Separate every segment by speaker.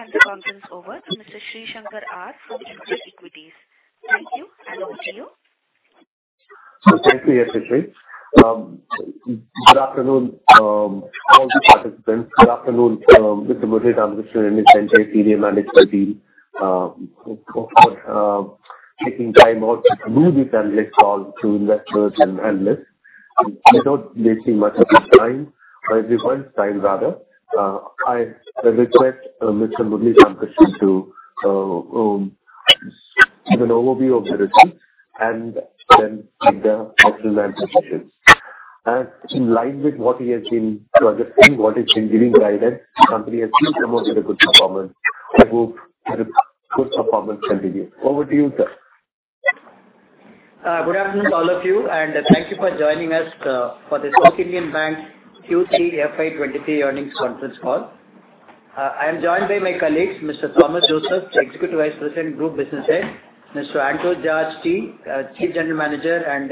Speaker 1: I will hand the conference over to Mr. Sreesankar R from InCred Equities. Thank you, and over to you.
Speaker 2: Thank you, yes, Sri. Good afternoon, all the participants. Good afternoon, Mr. Murali Ramakrishnan and his entire senior management team, for taking time out to do this analyst call to investors and analysts. Without wasting much of your time, or everyone's time, rather, I request Mr. Murali Ramakrishnan to give an overview of the results and then take the operational positions. And in line with what he has been suggesting, what he's been giving guidance, the company has still come out with a good performance. I hope the good performance continue. Over to you, sir.
Speaker 3: Good afternoon, all of you, and thank you for joining us for the South Indian Bank Q3 FY 23 earnings conference call. I am joined by my colleagues, Mr. Thomas Joseph, the Executive Vice President, Group Business Head, Mr. Anto George T., Chief General Manager and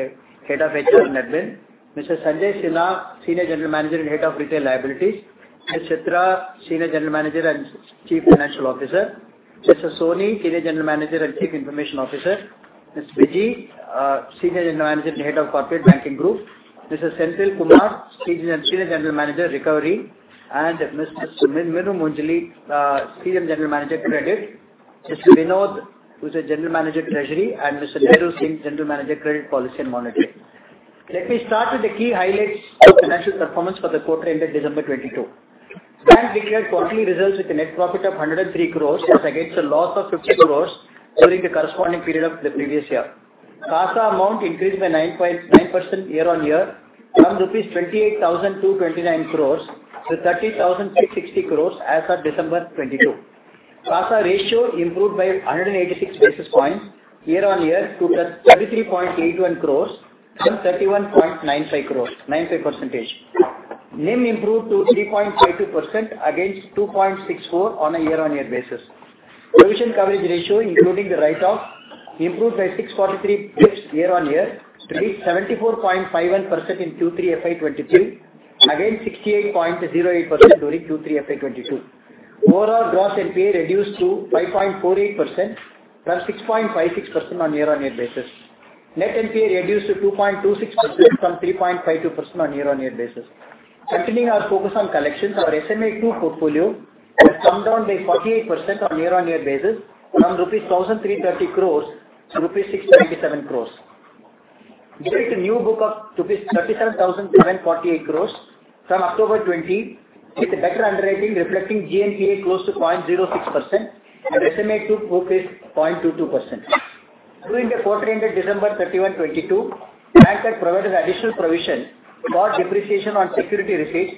Speaker 3: Head of HR and Admin, Mr. Sanjay Sinha, Senior General Manager and Head of Retail Liabilities, Ms. Chitra, Senior General Manager and Chief Financial Officer, Mr. Sony, Senior General Manager and Chief Information Officer, Ms. Viji, Senior General Manager and Head of Corporate Banking Group, Mr. Senthil Kumar, Senior General Manager, Recovery, and Ms. Minu Moonjely,, Senior General Manager, Credit, Mr. Vinod, who's a General Manager, Treasury, and Mr. Nehru Singh, General Manager, Credit Policy and Monitoring. Let me start with the key highlights of financial performance for the quarter ended December 22. Bank declared quarterly results with a net profit of 103 crore, as against a loss of 50 crores during the corresponding period of the previous year. CASA amount increased by 9.9% year-over-year, from rupees 28,229 crores to 30,660 crores as of December 2022. CASA ratio improved by 186 basis points year-over-year to 33.81%, from 31.95%. NIM improved to 3.52% against 2.64% on a year-over-year basis. Provision coverage ratio, including the write-off, improved by 643 basis points year-over-year to reach 74.51% in Q3 FY 2023, against 68.08% during Q3 FY 2022. Overall, gross NPA reduced to 5.48%, from 6.56% on a year-over-year basis.
Speaker 4: Net NPA reduced to 2.26% from 3.52% on a year-on-year basis. Continuing our focus on collections, our SMA-2 portfolio has come down by 48% on a year-on-year basis from INR 1,330 crores to INR 697 crores. During the new book of INR 37,748 crores from October 2020, with a better underwriting reflecting GNPA close to 0.06% and SMA-2 book is 0.22%. During the quarter ended December 31, 2022, the bank had provided additional provision for depreciation on security receipts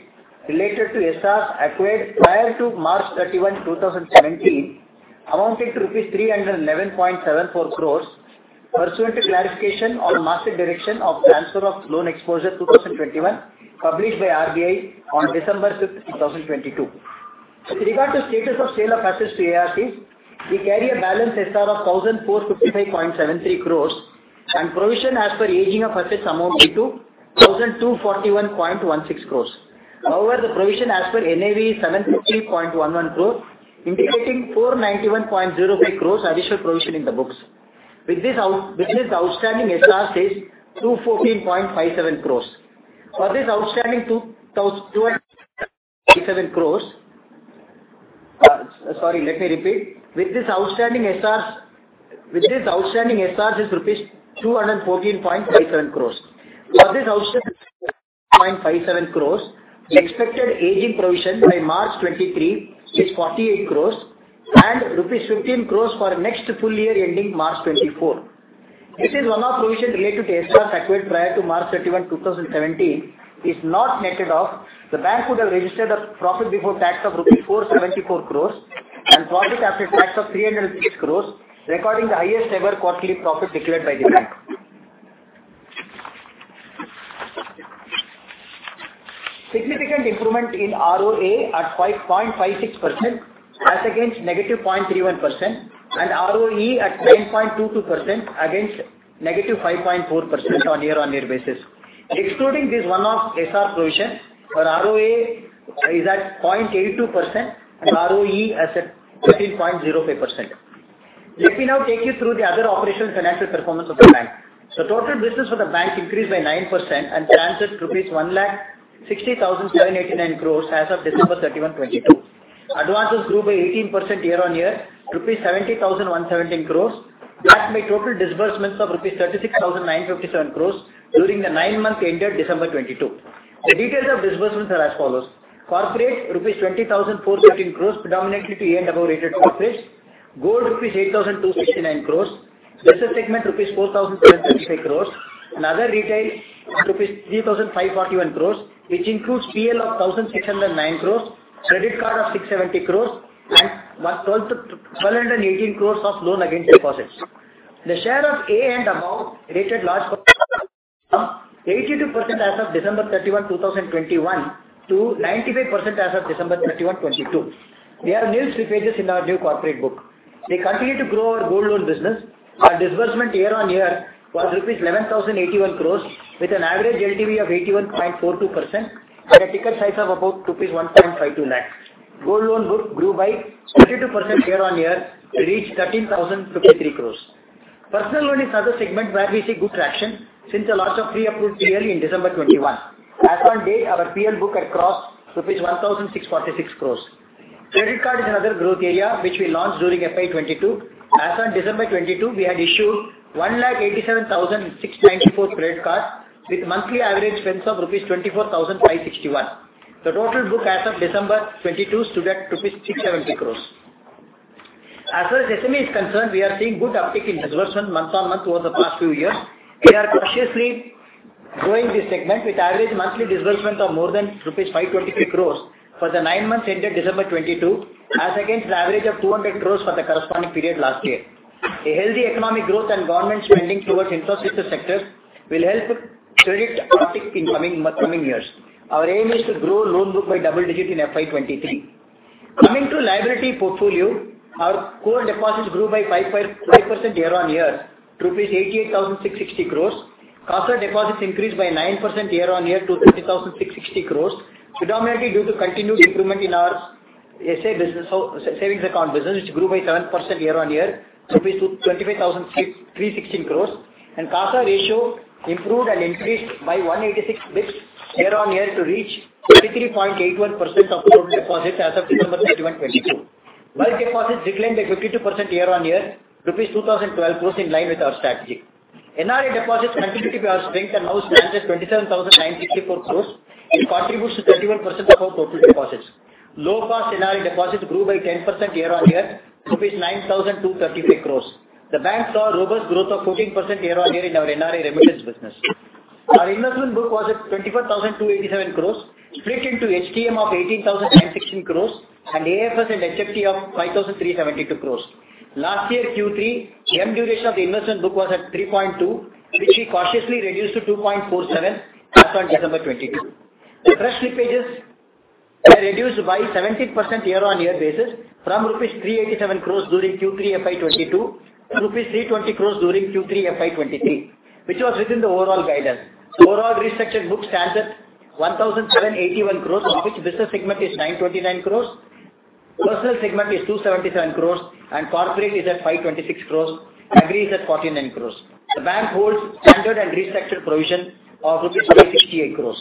Speaker 4: related to SRs acquired prior to March 31, 2017, amounting to 311.74 crores rupees, pursuant to clarification on the master direction of transfer of loan exposure 2021, published by RBI on December 5, 2022.
Speaker 3: With regard to status of sale of assets to ARC, we carry a balance SR of 1,455.73 crore, and provision as per aging of assets amounted to 1,241.16 crore. However, the provision as per NAV, 750.11 crore, indicating 491.05 crores additional provision in the books. With this, the outstanding SR stays INR 214.57 crore. With this outstanding SR is rupees 214.57 crore. For this outstanding point five seven crores, the expected aging provision by March 2023 is 48 crore and rupees 15 crore for next full year, ending March 2024. This one-off provision related to SRs acquired prior to March 31, 2017, is not netted off. The bank would have registered a profit before tax of rupees 474 crore and profit after tax of 306 crore, recording the highest ever quarterly profit declared by the bank. Significant improvement in ROA at 5.56%, as against -0.31%, and ROE at 9.22% against -5.4% on year-on-year basis. Excluding this one-off SR provision, our ROA is at 0.82% and ROE as at 13.05%. Let me now take you through the other operational financial performance of the bank. So total business for the bank increased by 9% and transferred rupees 160,789 crore as of December 31, 2022. Advances grew by 18% year-on-year, rupees 70,117 crore, backed by total disbursements of rupees 36,957 crore during the nine months ended December 2022. The details of disbursements are as follows: Corporate, rupees 20,417 crore, predominantly to A and above rated corporates. Gold, rupees 8,269 crore. B segment, rupees 4,735 crore, and other retail, rupees 3,541 crore, which includes PL of 1,609 crore, credit card of 670 crore, and 1,218 crore of loan against deposits. The share of A and above rated large- from 82% as of December 31, 2021, to 95% as of December 31, 2022. We have nil sweepages in our new corporate book.... We continue to grow our gold loan business. Our disbursement year-on-year was INR 11,081 crores, with an average LTV of 81.42% and a ticket size of about INR 1.52 lakhs. Gold loan book grew by 32% year-on-year to reach 13,003 crores. Personal loan is another segment where we see good traction since the launch of pre-approved PL in December 2021. As on date, our PL book had crossed rupees 1,646 crores. Credit card is another growth area, which we launched during FY 2022. As on December 2022, we had issued 187,694 credit cards, with monthly average spends of rupees 24,561. The total book as of December 2022 stood at rupees 670 crores. As far as SME is concerned, we are seeing good uptake in disbursement month-on-month over the past few years. We are cautiously growing this segment with average monthly disbursement of more than rupees 523 crore for the nine months ended December 2022, as against an average of 200 crore for the corresponding period last year. A healthy economic growth and government spending towards infrastructure sectors will help credit uptick in coming years. Our aim is to grow loan book by double digit in FY 2023. Coming to liability portfolio, our core deposits grew by 5.5% year-on-year, rupees 88,660 crore. CASA deposits increased by 9% year-on-year to 30,660 crore, predominantly due to continued improvement in our SA business, so, savings account business, which grew by 7% year-on-year, 25,316 crore. CASA ratio improved and increased by 186 basis points year-on-year to reach 33.81% of total deposits as of December 31, 2022. While deposits declined by 52% year-on-year, rupees 2,012 crore, in line with our strategy. NRI deposits continue to be our strength and now stands at 27,964 crore and contributes to 31% of our total deposits. Low-cost NRI deposits grew by 10% year-on-year, 9,233 crore. The bank saw robust growth of 14% year-on-year in our NRI remittance business. Our investment book was at 24,287 crore, split into HTM of 18,960 crore and AFS and HFT of 5,372 crore. Last year, Q3, M duration of the investment book was at 3.2, which we cautiously reduced to 2.47 as on December 2022. The fresh slippages were reduced by 17% year-on-year basis from rupees 387 crore during Q3 FY 2022 to rupees 320 crore during Q3 FY 2023, which was within the overall guidance. Overall, restructured book stands at 1,781 crore, of which business segment is 929 crore, personal segment is 277 crore, and corporate is at 526 crore, agri is at 49 crore. The bank holds standard and restructured provision of rupees 568 crore.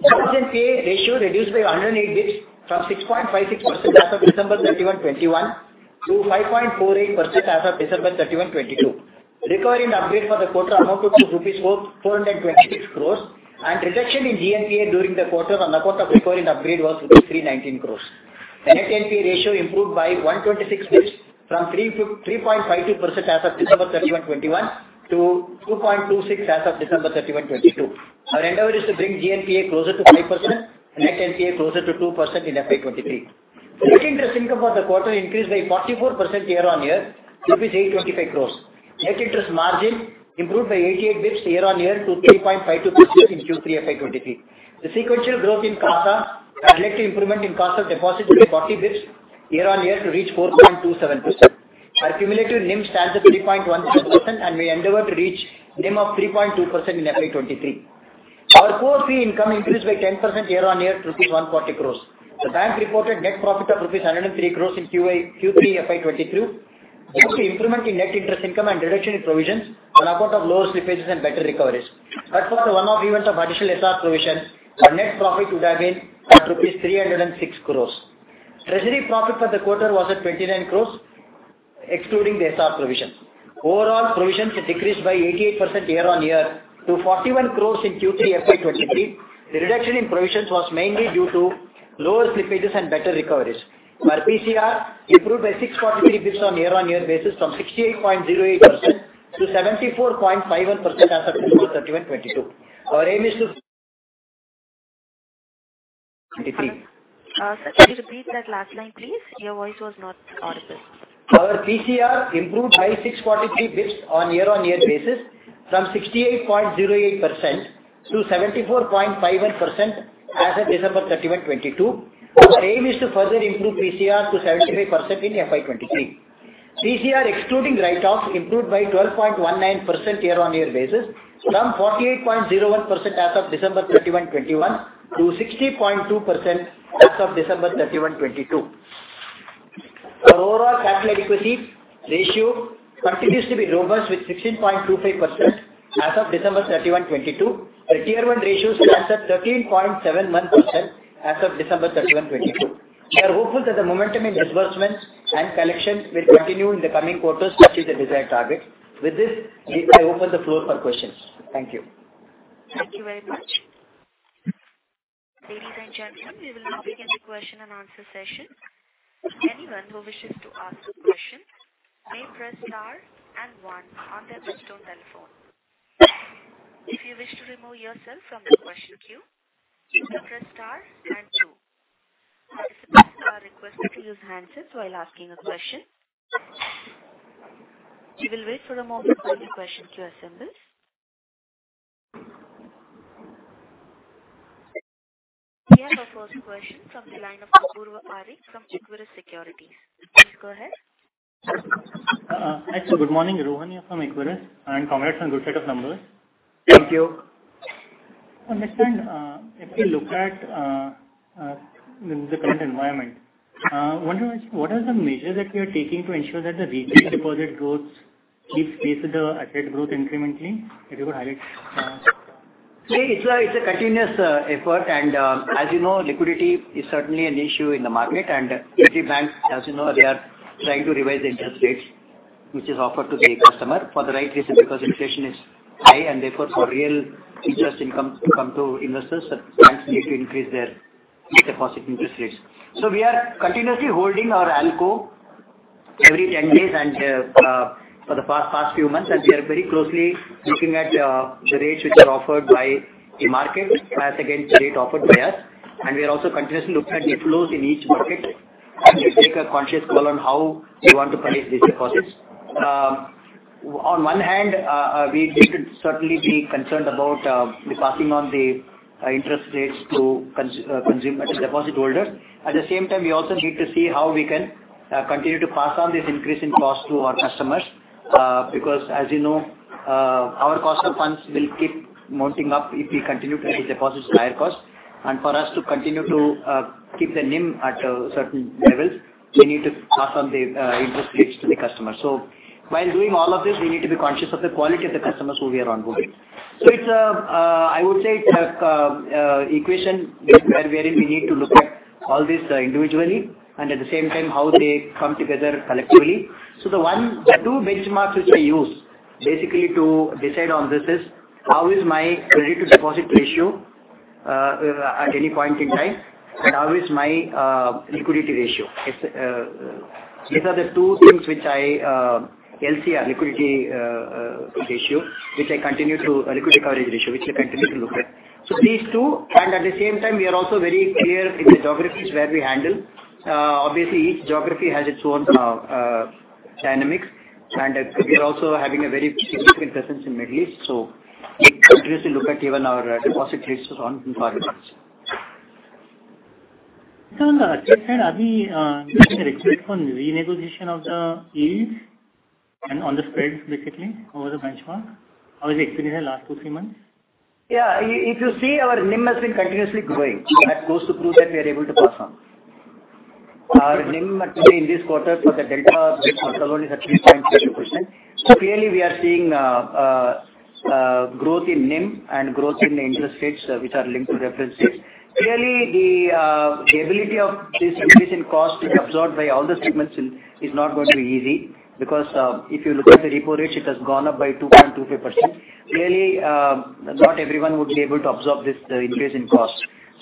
Speaker 3: GNPA ratio reduced by a hundred and eight basis points, from 6.56% as of December 31, 2021, to 5.48% as of December 31, 2022. Recovery and upgrade for the quarter amounted to rupees 426 crore, and reduction in GNPA during the quarter on account of recovery and upgrade was rupees 319 crore. The NNPA ratio improved by 126 basis points, from 3.52% as of December 31, 2021, to 2.26% as of December 31, 2022. Our endeavor is to bring GNPA closer to 5% and NNPA closer to 2% in FY 2023. Net interest income for the quarter increased by 44% year-on-year, 825 crore. Net interest margin improved by 88 basis points year-on-year to 3.52% in Q3 FY 2023. The sequential growth in CASA had led to improvement in CASA deposit by 40 basis points year-on-year to reach 4.27%. Our cumulative NIM stands at 3.16%, and we endeavor to reach NIM of 3.2% in FY 2023. Our core fee income increased by 10% year-on-year, rupees 140 crores. The bank reported net profit of rupees 103 crores in Q1, Q3 FY 2022, due to improvement in net interest income and reduction in provisions on account of lower slippages and better recoveries. But for the one-off events of additional SR provisions, our net profit would have been at rupees 306 crores. Treasury profit for the quarter was at 29 crores, excluding the SR provisions. Overall provisions had decreased by 88% year-on-year to 41 crores in Q3 FY 2023. The reduction in provisions was mainly due to lower slippages and better recoveries. Our PCR improved by 643 basis points on year-on-year basis, from 68.08% to 74.51% as of December 31, 2022. Our aim is to-
Speaker 1: Sir, could you repeat that last line, please? Your voice was not audible.
Speaker 3: Our PCR improved by 643 basis points on year-on-year basis, from 68.08% to 74.51% as of December 31, 2022. Our aim is to further improve PCR to 75% in FY 2023. PCR, excluding write-offs, improved by 12.19% year-on-year basis, from 48.01% as of December 31, 2021, to 60.2% as of December 31, 2022. Our overall capital adequacy ratio continues to be robust, with 16.25% as of December 31, 2022. Our Tier I ratio stands at 13.71% as of December 31, 2022. We are hopeful that the momentum in disbursements and collections will continue in the coming quarters to achieve the desired target. With this, we now open the floor for questions. Thank you.
Speaker 1: Thank you very much. Ladies and gentlemen, we will now begin the question and answer session. Anyone who wishes to ask a question may press star and one on their desktop telephone. If you wish to remove yourself from the question queue, you may press star and two. Participants are requested to use handsets while asking a question. We will wait for a moment while the question queue assembles... We have our first question from the line of Apurva Ari from Equirus Securities. Please go ahead.
Speaker 5: Hi, sir. Good morning, Rohan here from Equirus, and congrats on good set of numbers.
Speaker 3: Thank you.
Speaker 6: Understand, if we look at the current environment, I wonder, what are the measures that we are taking to ensure that the retail deposit growth keeps pace with the asset growth incrementally? If you could highlight.
Speaker 3: See, it's a continuous effort, and as you know, liquidity is certainly an issue in the market, and every bank, as you know, they are trying to revise the interest rates, which is offered to the customer, for the right reason, because inflation is high, and therefore, for real interest income to come to investors, banks need to increase their deposit interest rates. So we are continuously holding our ALCO every 10 days, and for the past few months, and we are very closely looking at the rates which are offered by the market versus against the rate offered by us. And we are also continuously looking at the flows in each market, and we take a conscious call on how we want to manage these deposits. On one hand, we need to certainly be concerned about the passing on the interest rates to consumer deposit holders. At the same time, we also need to see how we can continue to pass on this increase in cost to our customers, because, as you know, our cost of funds will keep mounting up if we continue to take deposits at higher cost. And for us to continue to keep the NIM at a certain level, we need to pass on the interest rates to the customer. So while doing all of this, we need to be conscious of the quality of the customers who we are onboarding. So it's a, I would say it's a, equation where, wherein we need to look at all these, individually, and at the same time, how they come together collectively. The two benchmarks which we use, basically to decide on this is, how is my credit to deposit ratio, at any point in time, and how is my, liquidity ratio? It's, these are the two things which I, LCR, liquidity, ratio, which I continue to Liquidity Coverage Ratio, which I continue to look at. So these two, and at the same time, we are also very clear in the geographies where we handle. Obviously, each geography has its own, dynamics, and we are also having a very significant presence in Middle East, so we continuously look at even our deposit rates on corporates.
Speaker 6: On the asset side, are we getting a request on renegotiation of the yields and on the spreads, basically, over the benchmark? How is the experience in the last 2, 3 months?
Speaker 3: Yeah, if you see, our NIM has been continuously growing. That goes to prove that we are able to pass on. Our NIM, actually, in this quarter, for the delta alone is at 3.3%. So clearly, we are seeing growth in NIM and growth in the interest rates which are linked to reference rates. Clearly, the ability of this increase in cost to be absorbed by all the segments is not going to be easy, because if you look at the repo rate, it has gone up by 2.25%. Clearly, not everyone would be able to absorb this increase in cost.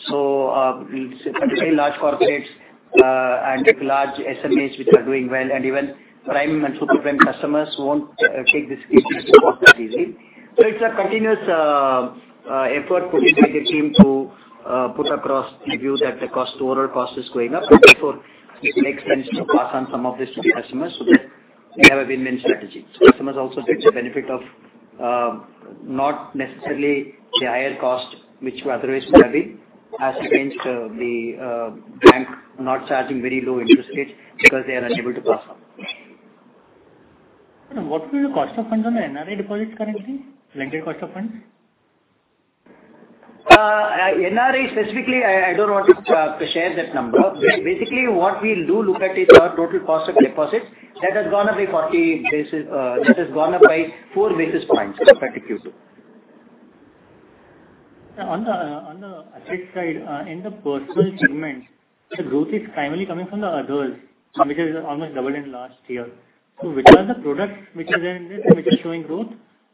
Speaker 3: So, it's a very large corporates and large SMEs which are doing well, and even prime and super prime customers who won't take this increase that easy. So it's a continuous effort put in by the team to put across the view that the cost, overall cost is going up. So therefore, it makes sense to pass on some of this to the customers, so that we have a win-win strategy. Customers also get the benefit of not necessarily the higher cost, which otherwise would have been, as against the bank not charging very low interest rates because they are unable to pass on.
Speaker 6: What will be the cost of funds on the NRI deposits currently? Bleended cost of funds?
Speaker 3: NRI specifically, I, I don't want to to share that number. But basically, what we'll do look at is our total cost of deposits. That has gone up by 40 basis, that has gone up by 4 basis points, in particular.
Speaker 6: On the asset side, in the personal segment, the growth is primarily coming from the others, which has almost doubled in last year. So which are the products which are there, which are showing growth?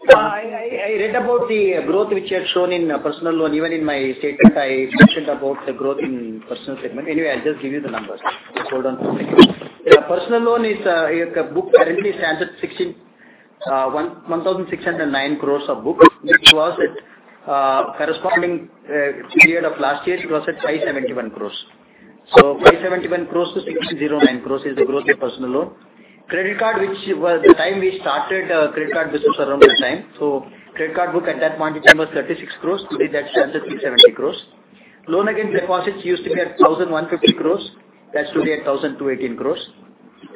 Speaker 3: I read about the growth which you have shown in personal loan. Even in my statement, I mentioned about the growth in personal segment. Anyway, I'll just give you the numbers. Just hold on for a second. Yeah, personal loan is, your book currently stands at 1,609 crores of books, which was at, corresponding, period of last year, it was at 571 crores. So 571 crores to 1,609 crores is the growth in personal loan. Credit card, which was the time we started, credit card business around that time, so credit card book at that point in time was 36 crores, today, that stands at 370 crores. Loan against deposits used to be at 1,150 crores, that's today at 1,218 crores.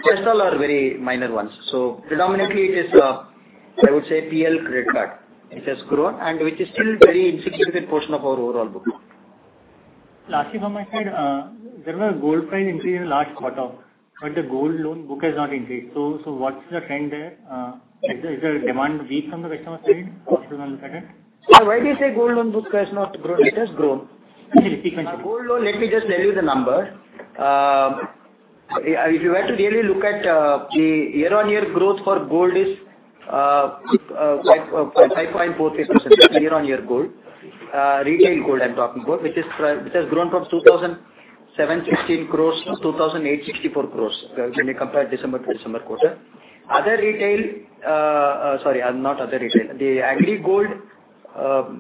Speaker 3: The rest are are very minor ones. So predominantly, it is, I would say, PL credit card, which has grown, and which is still very insignificant portion of our overall book.
Speaker 6: Lastly, from my side, there was gold price increase in the last quarter, but the gold loan book has not increased. So, what's the trend there? Is the demand weak from the customer side? How should one look at it?
Speaker 3: Why do you say gold loan book has not grown? It has grown.
Speaker 6: Can you repeat?
Speaker 3: Gold loan, let me just tell you the number. If you were to really look at the year-over-year growth for gold is 5.43%, year-over-year gold. Retail gold, I'm talking about, which has grown from 2,716 crore to 2,864 crore, when we compare December to December quarter. Other retail, sorry, not other retail. The agri gold,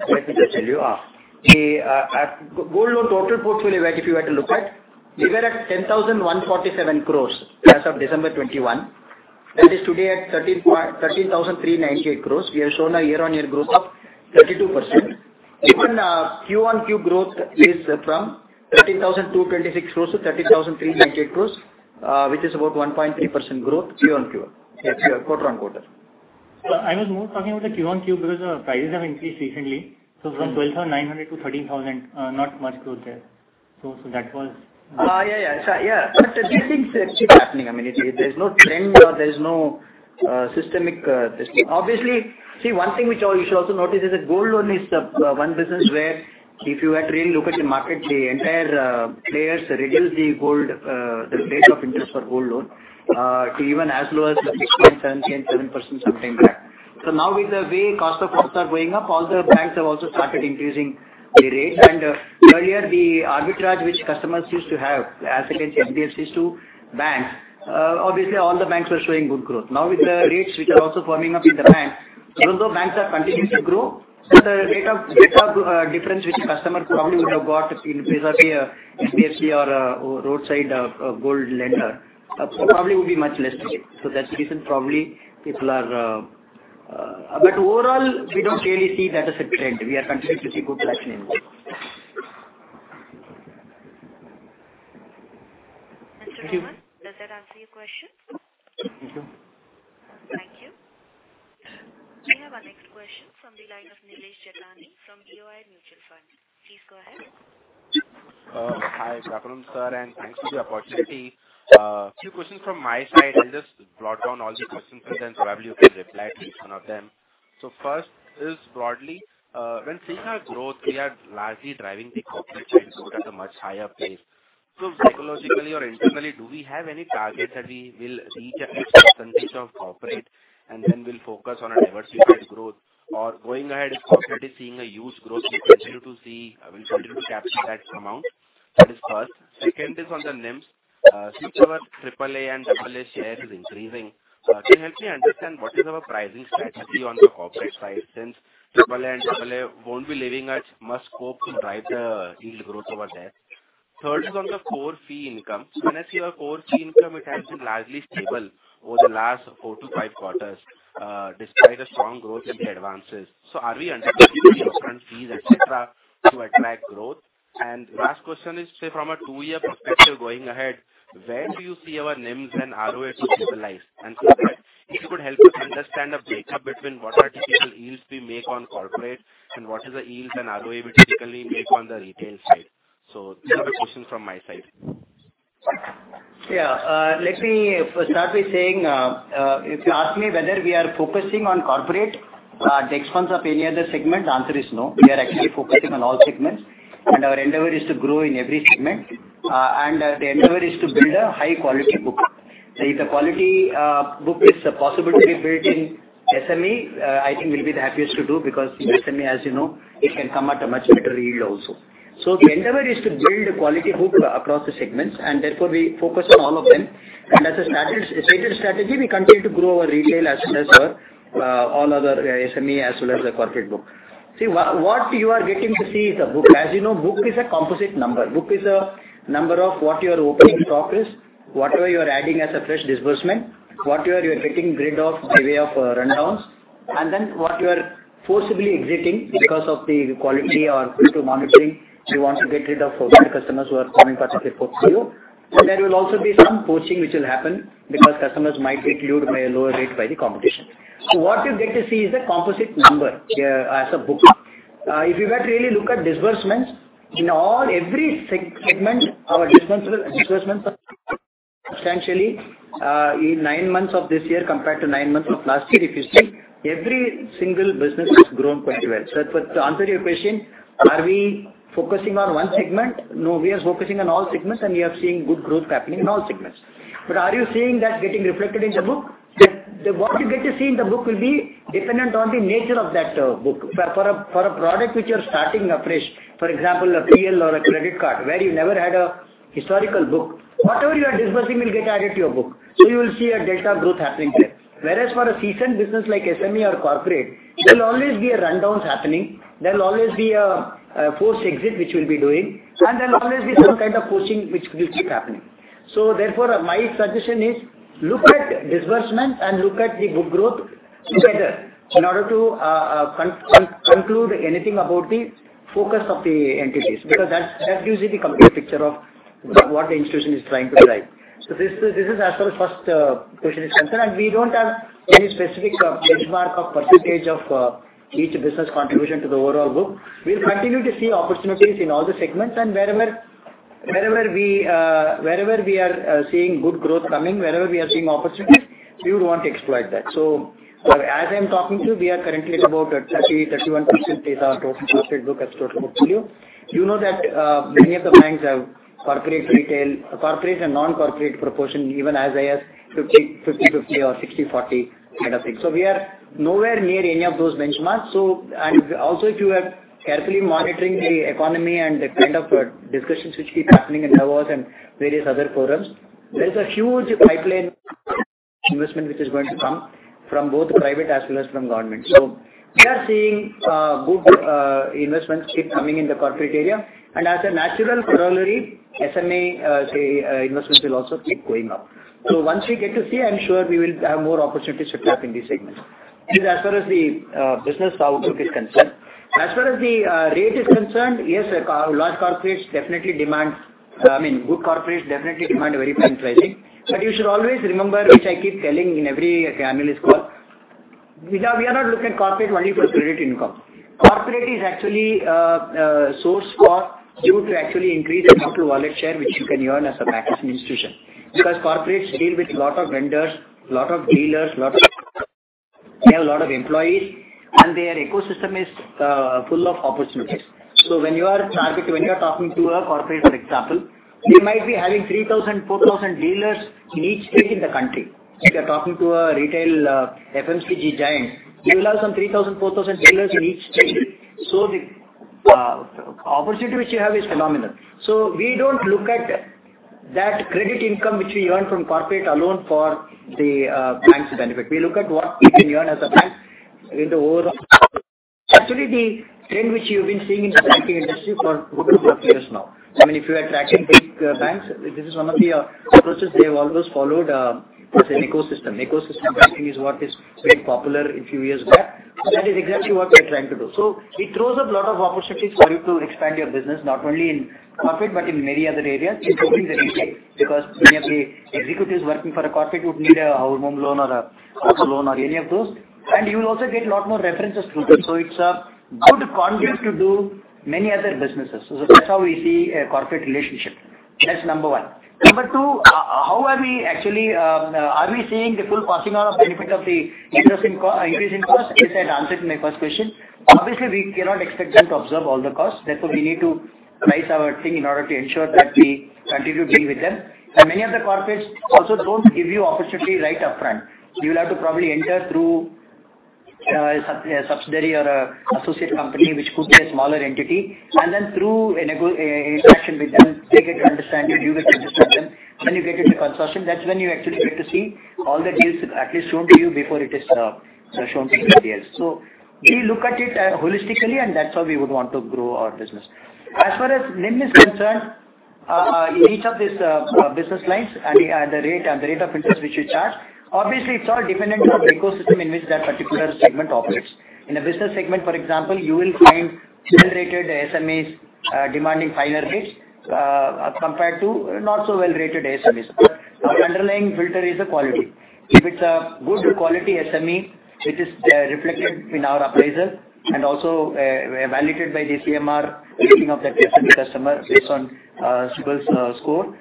Speaker 3: let me just tell you, the gold loan total portfolio, if you were to look at, we were at 10,147 crore as of December 2021. That is today at 13,398 crore. We have shown a year-over-year growth of 32%. Even, Q-on-Q growth is from 13,226 crore to 13,398 crore, which is about 1.3% growth Q-on-Q, quarter-on-quarter.
Speaker 6: So I was more talking about the Q-on-Q because the prices have increased recently. So from 12,900 to 13,000, not much growth there. So that was-
Speaker 3: Yeah, yeah. Yeah, but these things keep happening. I mean, there's no trend or there's no systemic risk. Obviously, see, one thing which you should also notice is that gold loan is the one business where if you were to really look at the market, the entire players reduce the gold the rate of interest for gold loan to even as low as the 6.7%, 7% sometime back. So now with the way cost of costs are going up, all the banks have also started increasing the rate. And earlier, the arbitrage which customers used to have as against NBFCs to banks, obviously, all the banks were showing good growth. Now, with the rates which are also firming up in the bank, even though banks are continuing to grow, so the rate of difference which the customers probably would have got vis-à-vis a NBFC or a roadside gold lender probably would be much less today. So that's the reason probably people are, but overall, we don't really see that as a trend. We are continuing to see good growth in it.
Speaker 1: Mr. Rohan, does that answer your question?
Speaker 6: Thank you.
Speaker 1: Thank you. We have our next question from the line of Nilesh Jethani from BOI Mutual Fund. Please go ahead.
Speaker 7: Hi, good afternoon, sir, and thanks for the opportunity. Few questions from my side. I'll just jot down all the questions and then probably you can reply to each one of them. So first is broadly, when seeing our growth, we are largely driving the corporate side growth at a much higher pace. So psychologically or internally, do we have any targets that we will reach a certain percentage of corporate and then we'll focus on a diversified growth? Or going ahead, is corporate is seeing a huge growth, we continue to see, we'll continue to capture that amount? That is first. Second is on the NIMs. Since our triple A and double A share is increasing, can you help me understand what is our pricing strategy on the corporate side, since triple A and double A won't be leaving much scope to drive the yield growth over there? Third is on the core fee income. When I see our core fee income, it has been largely stable over the last four to five quarters, despite a strong growth in the advances. So are we underpricing front fees, et cetera, to attract growth? And last question is, say, from a two-year perspective going ahead, where do you see our NIMs and ROA to stabilize? And third, if you could help us understand the breakup between what are typical yields we make on corporate and what is the yields and ROA we typically make on the retail side. These are the questions from my side.
Speaker 3: Yeah, let me start by saying, if you ask me whether we are focusing on corporate, at the expense of any other segment, the answer is no. We are actually focusing on all segments, and our endeavor is to grow in every segment, and the endeavor is to build a high-quality book. So if the quality book is possible to be built in SME, I think we'll be the happiest to do, because SME, as you know, it can come at a much better yield also. So the endeavor is to build a quality book across the segments, and therefore we focus on all of them. And as a stated strategy, we continue to grow our retail as well as our all other SME, as well as the corporate book. See, what you are getting to see is a book. As you know, book is a composite number. Book is a number of what your opening stock is, whatever you are adding as a fresh disbursement, whatever you are taking written off by way of rundowns, and then what you are forcibly exiting because of the quality or due to monitoring, you want to get rid of certain customers who are coming particularly to you. So there will also be some poaching which will happen because customers might get lured by a lower rate by the competition. So what you get to see is a composite number as a book. If you were to really look at disbursements, in all, every segment, our disbursements, disbursements are substantially in nine months of this year compared to nine months of last year, if you see, every single business has grown pretty well. So to answer your question, are we focusing on one segment? No, we are focusing on all segments, and we are seeing good growth happening in all segments. But are you seeing that getting reflected in the book? What you get to see in the book will be dependent on the nature of that book. For a product which you're starting afresh, for example, a PL or a credit card, where you never had a historical book, whatever you are disbursing will get added to your book. So you will see a delta growth happening there. Whereas for a seasoned business like SME or corporate, there will always be a rundowns happening, there will always be a forced exit, which we'll be doing, and there will always be some kind of poaching which will keep happening. So therefore, my suggestion is, look at disbursements and look at the book growth together in order to conclude anything about the focus of the entities, because that gives you the complete picture of what the institution is trying to drive. So this is as far as first question is concerned, and we don't have any specific benchmark of percentage of each business contribution to the overall book. We'll continue to see opportunities in all the segments and wherever we are seeing good growth coming, wherever we are seeing opportunities, we would want to exploit that. So as I'm talking to you, we are currently at about 30-31% data of corporate book as total book value. You know that many of the banks have corporate, retail, corporate and non-corporate proportion, even as high as 50/50 or 60/40 kind of thing. So we are nowhere near any of those benchmarks. So and also, if you are carefully monitoring the economy and the kind of discussions which keep happening in Davos and various other forums, there is a huge pipeline investment which is going to come from both private as well as from government. So we are seeing good investments keep coming in the corporate area. And as a natural corollary, SMA investments will also keep going up. So once we get to see, I'm sure we will have more opportunities to tap in these segments. And as far as the business outlook is concerned, as far as the rate is concerned, yes, large corporates definitely demands, I mean, good corporates definitely demand a very fine pricing. But you should always remember, which I keep telling in every, like, analyst call, we are, we are not looking at corporate only for credit income. Corporate is actually, source for you to actually increase the total wallet share, which you can earn as a banking institution. Because corporates deal with a lot of vendors, lot of dealers, lot of they have a lot of employees, and their ecosystem is full of opportunities. So when you are talking to a corporate, for example, you might be having 3,000, 4,000 dealers in each state in the country. If you are talking to a retail FMCG giant, you will have some 3,000, 4,000 dealers in each state. So the opportunity which you have is phenomenal. So we don't look at that credit income which we earn from corporate alone for the bank's benefit. We look at what we can earn as a bank in the overall. Actually, the trend which you've been seeing in the banking industry for good number of years now. I mean, if you are tracking big banks, this is one of the approaches they have always followed, as an ecosystem. Ecosystem banking is what is very popular a few years back, and that is exactly what we are trying to do. So it throws up a lot of opportunities for you to expand your business, not only in corporate, but in many other areas, including the retail. Because many of the executives working for a corporate would need a home loan or a car loan or any of those, and you will also get a lot more references through them. So it's a good conduit to do many other businesses. So that's how we see a corporate relationship. That's number one. Number two, how are we actually, are we seeing the full passing on of benefit of the interest in co- increase in cost? This I had answered in my first question. Obviously, we cannot expect them to absorb all the costs, therefore, we need to price our thing in order to ensure that we continue to be with them. Many of the corporates also don't give you opportunity right upfront. You will have to probably enter through a sub, a subsidiary or a associate company, which could be a smaller entity, and then through a nego, interaction with them, they get to understand you, you get to understand them. When you get into the consortium, that's when you actually get to see all the deals at least shown to you before it is shown to somebody else. So we look at it holistically, and that's how we would want to grow our business. As far as NIM is concerned, in each of these business lines and the, and the rate, and the rate of interest which we charge, obviously, it's all dependent on the ecosystem in which that particular segment operates. In a business segment, for example, you will find well-rated SMEs, demanding finer rates, as compared to not-so-well-rated SMEs. But our underlying filter is the quality. If it's a good quality SME, it is, reflected in our appraisal and also, validated by the CMR rating of that SME customer based on, CIBIL's, score,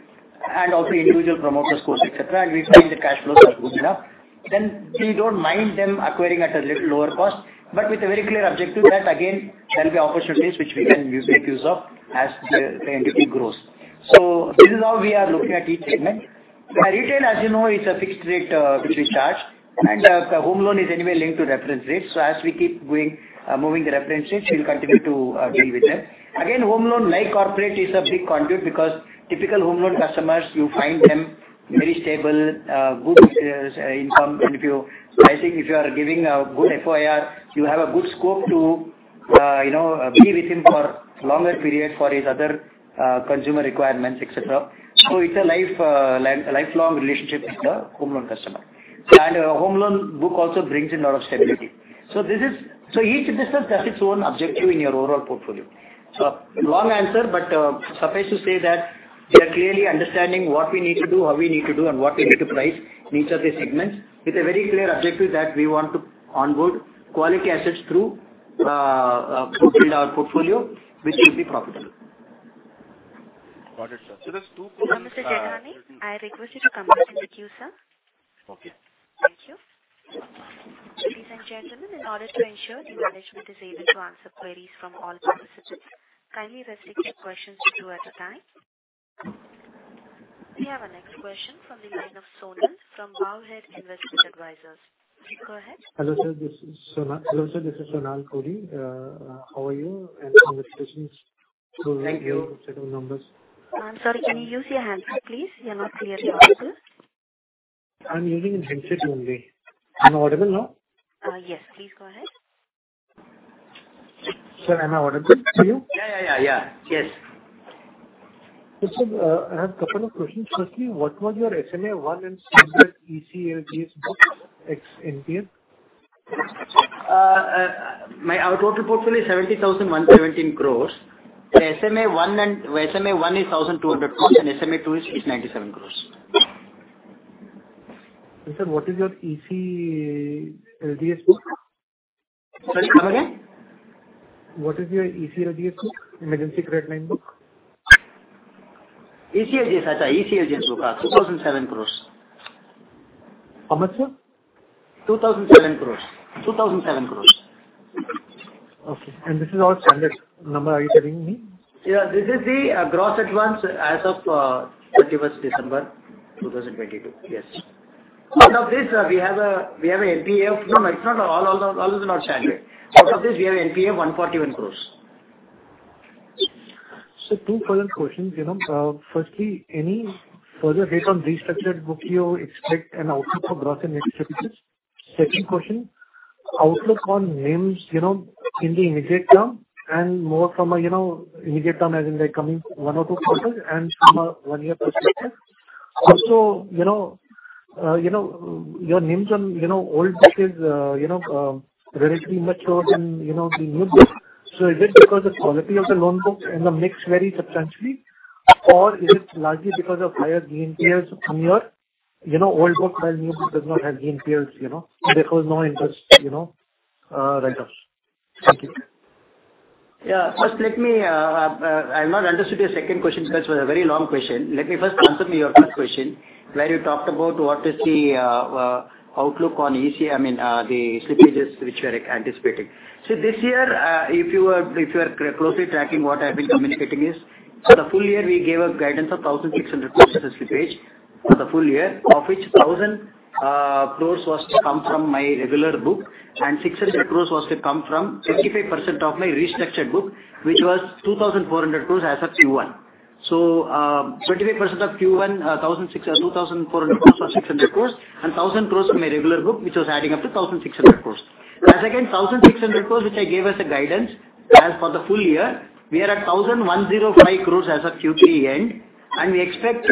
Speaker 3: and also individual promoter scores, et cetera, and we find the cash flows are good enough, then we don't mind them acquiring at a little lower cost. But with a very clear objective that, again, there will be opportunities which we can use, make use of as the entity grows. So this is how we are looking at each segment. Retail, as you know, it's a fixed rate, which we charge, and, home loan is anyway linked to reference rates. So as we keep going, moving the reference rates, we will continue to deal with them. Again, home loan, like corporate, is a big conduit because typical home loan customers, you find them very stable, good income. And if you... I think if you are giving a good FOIR, you have a good scope to, you know, be with him for longer period for his other, consumer requirements, et cetera. So it's a lifelong relationship with the home loan customer. And a home loan book also brings in a lot of stability. So this is, so each business has its own objective in your overall portfolio. So long answer, but suffice to say that we are clearly understanding what we need to do, how we need to do, and what we need to price in each of these segments, with a very clear objective that we want to onboard quality assets through build our portfolio, which will be profitable.
Speaker 7: Got it, sir. So there's two-
Speaker 3: Mr. Jethani, I request you to come back with you, sir.
Speaker 7: Okay.
Speaker 1: Thank you. Ladies and gentlemen, in order to ensure the management is able to answer queries from all participants, kindly restrict your questions to two at a time. We have our next question from the line of Sonaal, from Bowhead Investment Advisors. Go ahead.
Speaker 8: Hello, sir. This is Sonaal. Hello, sir, this is Sonaal Kohli. How are you? And congratulations-
Speaker 3: Thank you.
Speaker 8: -to set of numbers.
Speaker 1: I'm sorry, can you use your handset, please? You're not clearly audible.
Speaker 8: I'm using a handset only. I'm audible now?
Speaker 1: Yes. Please, go ahead.
Speaker 8: Sir, am I audible to you?
Speaker 3: Yeah, yeah, yeah, yeah. Yes.
Speaker 8: Sir, I have a couple of questions. Firstly, what was your SMA one and ECLGS book, ex-NPA?
Speaker 3: My total portfolio is 70,117 crores. The SMA-1 is 1,200 crores, and SMA-2 is 97 crores.
Speaker 8: Sir, what is your ECLGS book?
Speaker 3: Sorry, come again?
Speaker 8: What is your ECLGS book? Emergency credit line book.
Speaker 3: ECLGS book, 2,007 crore.
Speaker 8: How much, sir?
Speaker 3: 2,007 crore. 2,007 crore.
Speaker 8: Okay. And this is all standard number? Are you telling me?
Speaker 3: Yeah, this is the gross advance as of December 31st, 2022. Yes. Out of this, we have an NPA of... No, it's not. All is not standard. Out of this, we have NPA 141 crore....
Speaker 8: So two further questions, you know, firstly, any further heat on restructured book you expect an outlook for growth in next slippages? Second question, outlook on NIMs, you know, in the immediate term and more from a, you know, immediate term, as in, like, coming one or two quarters and from a one-year perspective. Also, you know, your NIMs on, you know, old book is relatively mature than, you know, the new book. So is it because the quality of the loan book and the mix vary substantially, or is it largely because of higher GNPAs in your, you know, old book, while new book does not have GNPAs, you know, because no interest, you know, write-offs? Thank you.
Speaker 3: Yeah. First, let me, I've not understood your second question because it was a very long question. Let me first answer me your first question, where you talked about what is the, outlook on EC, I mean, the slippages which we are anticipating. So this year, if you are, if you are closely tracking what I've been communicating is, so the full year we gave a guidance of 1,600 crore as slippage for the full year, of which 1,000 crore was to come from my regular book, and 600 crore was to come from 55% of my restructured book, which was 2,400 crore as of Q1. So, 25% of Q1, 1,600, 2,400 crore, or 600 crore, and 1,000 crore from my regular book, which was adding up to 1,600 crore. As again, 1,600 crore, which I gave as a guidance, as for the full year, we are at 1,105 crore as of Q3 end, and we expect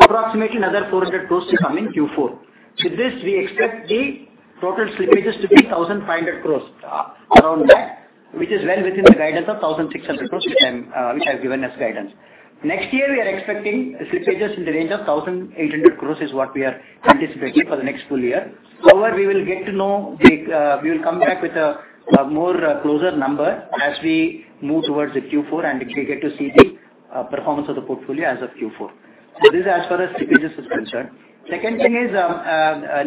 Speaker 3: approximately another 400 crore to come in Q4. So this, we expect the total slippages to be 1,500 crore, around that, which is well within the guidance of 1,600 crore, which I've given as guidance. Next year, we are expecting slippages in the range of 1,800 crore, is what we are anticipating for the next full year. However, we will get to know the... We will come back with a more closer number as we move towards the Q4, and we get to see the performance of the portfolio as of Q4. So this is as far as slippages is concerned. Second thing is,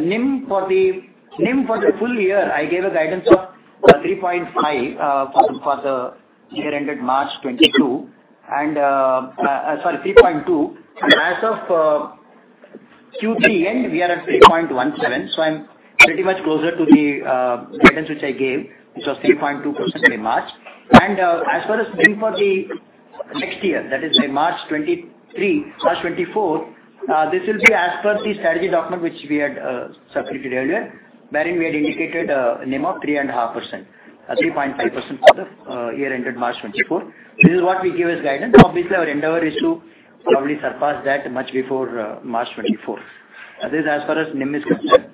Speaker 3: NIM for the full year, I gave a guidance of 3.5% for the year ended March 2022, and sorry, 3.2. And as of Q3 end, we are at 3.17%, so I'm pretty much closer to the guidance which I gave, which was 3.2% in March. As far as NIM for the next year, that is by March 2023 or 2024, this will be as per the strategy document which we had circulated earlier, wherein we had indicated a NIM of 3.5%, 3.5% for the year ended March 2024. This is what we gave as guidance. Obviously, our endeavor is to probably surpass that much before March 2024. This is as far as NIM is concerned.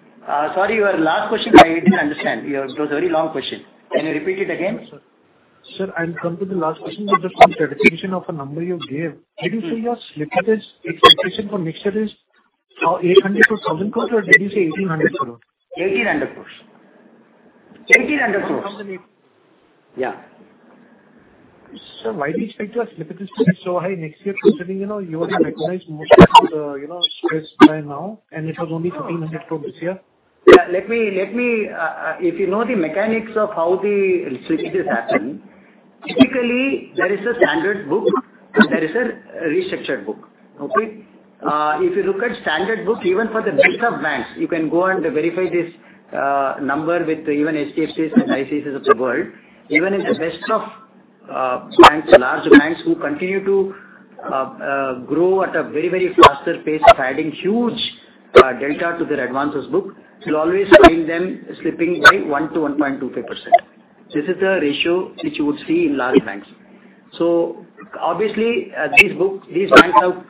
Speaker 3: Sorry, your last question, I didn't understand. Your... It was a very long question. Can you repeat it again?
Speaker 8: Sure. Sir, I'll come to the last question, which is on the clarification of a number you gave. Did you say your slippages expectation for next year is 800-1,000 crore, or did you say 1,800 crore?
Speaker 3: 1,800 crore. 1,800 crore. Yeah.
Speaker 8: Sir, why do you expect your slippages to be so high next year, considering, you know, you already recognized most of the, you know, stress by now, and it was only 1,400 crore this year?
Speaker 3: Yeah. Let me, let me, if you know the mechanics of how the slippages happen, typically, there is a standard book, and there is a restructured book. Okay? If you look at standard book, even for the best of banks, you can go and verify this number with even HDFCs and ICICIs of the world. Even in the best of banks, large banks, who continue to grow at a very, very faster pace of adding huge delta to their advances book, you'll always find them slipping by 1%-1.25%. This is the ratio which you would see in large banks. So obviously, these books, these banks have,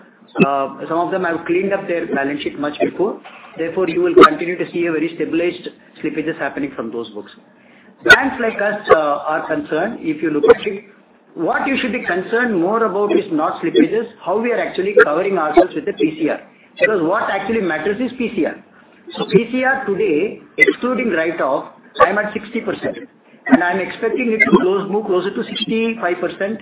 Speaker 3: some of them have cleaned up their balance sheet much before. Therefore, you will continue to see a very stabilized slippages happening from those books. Banks like us are concerned, if you look at it, what you should be concerned more about is not slippages, how we are actually covering ourselves with the PCR. Because what actually matters is PCR. So PCR today, excluding write-off, I'm at 60%, and I'm expecting it to close more closer to 65%.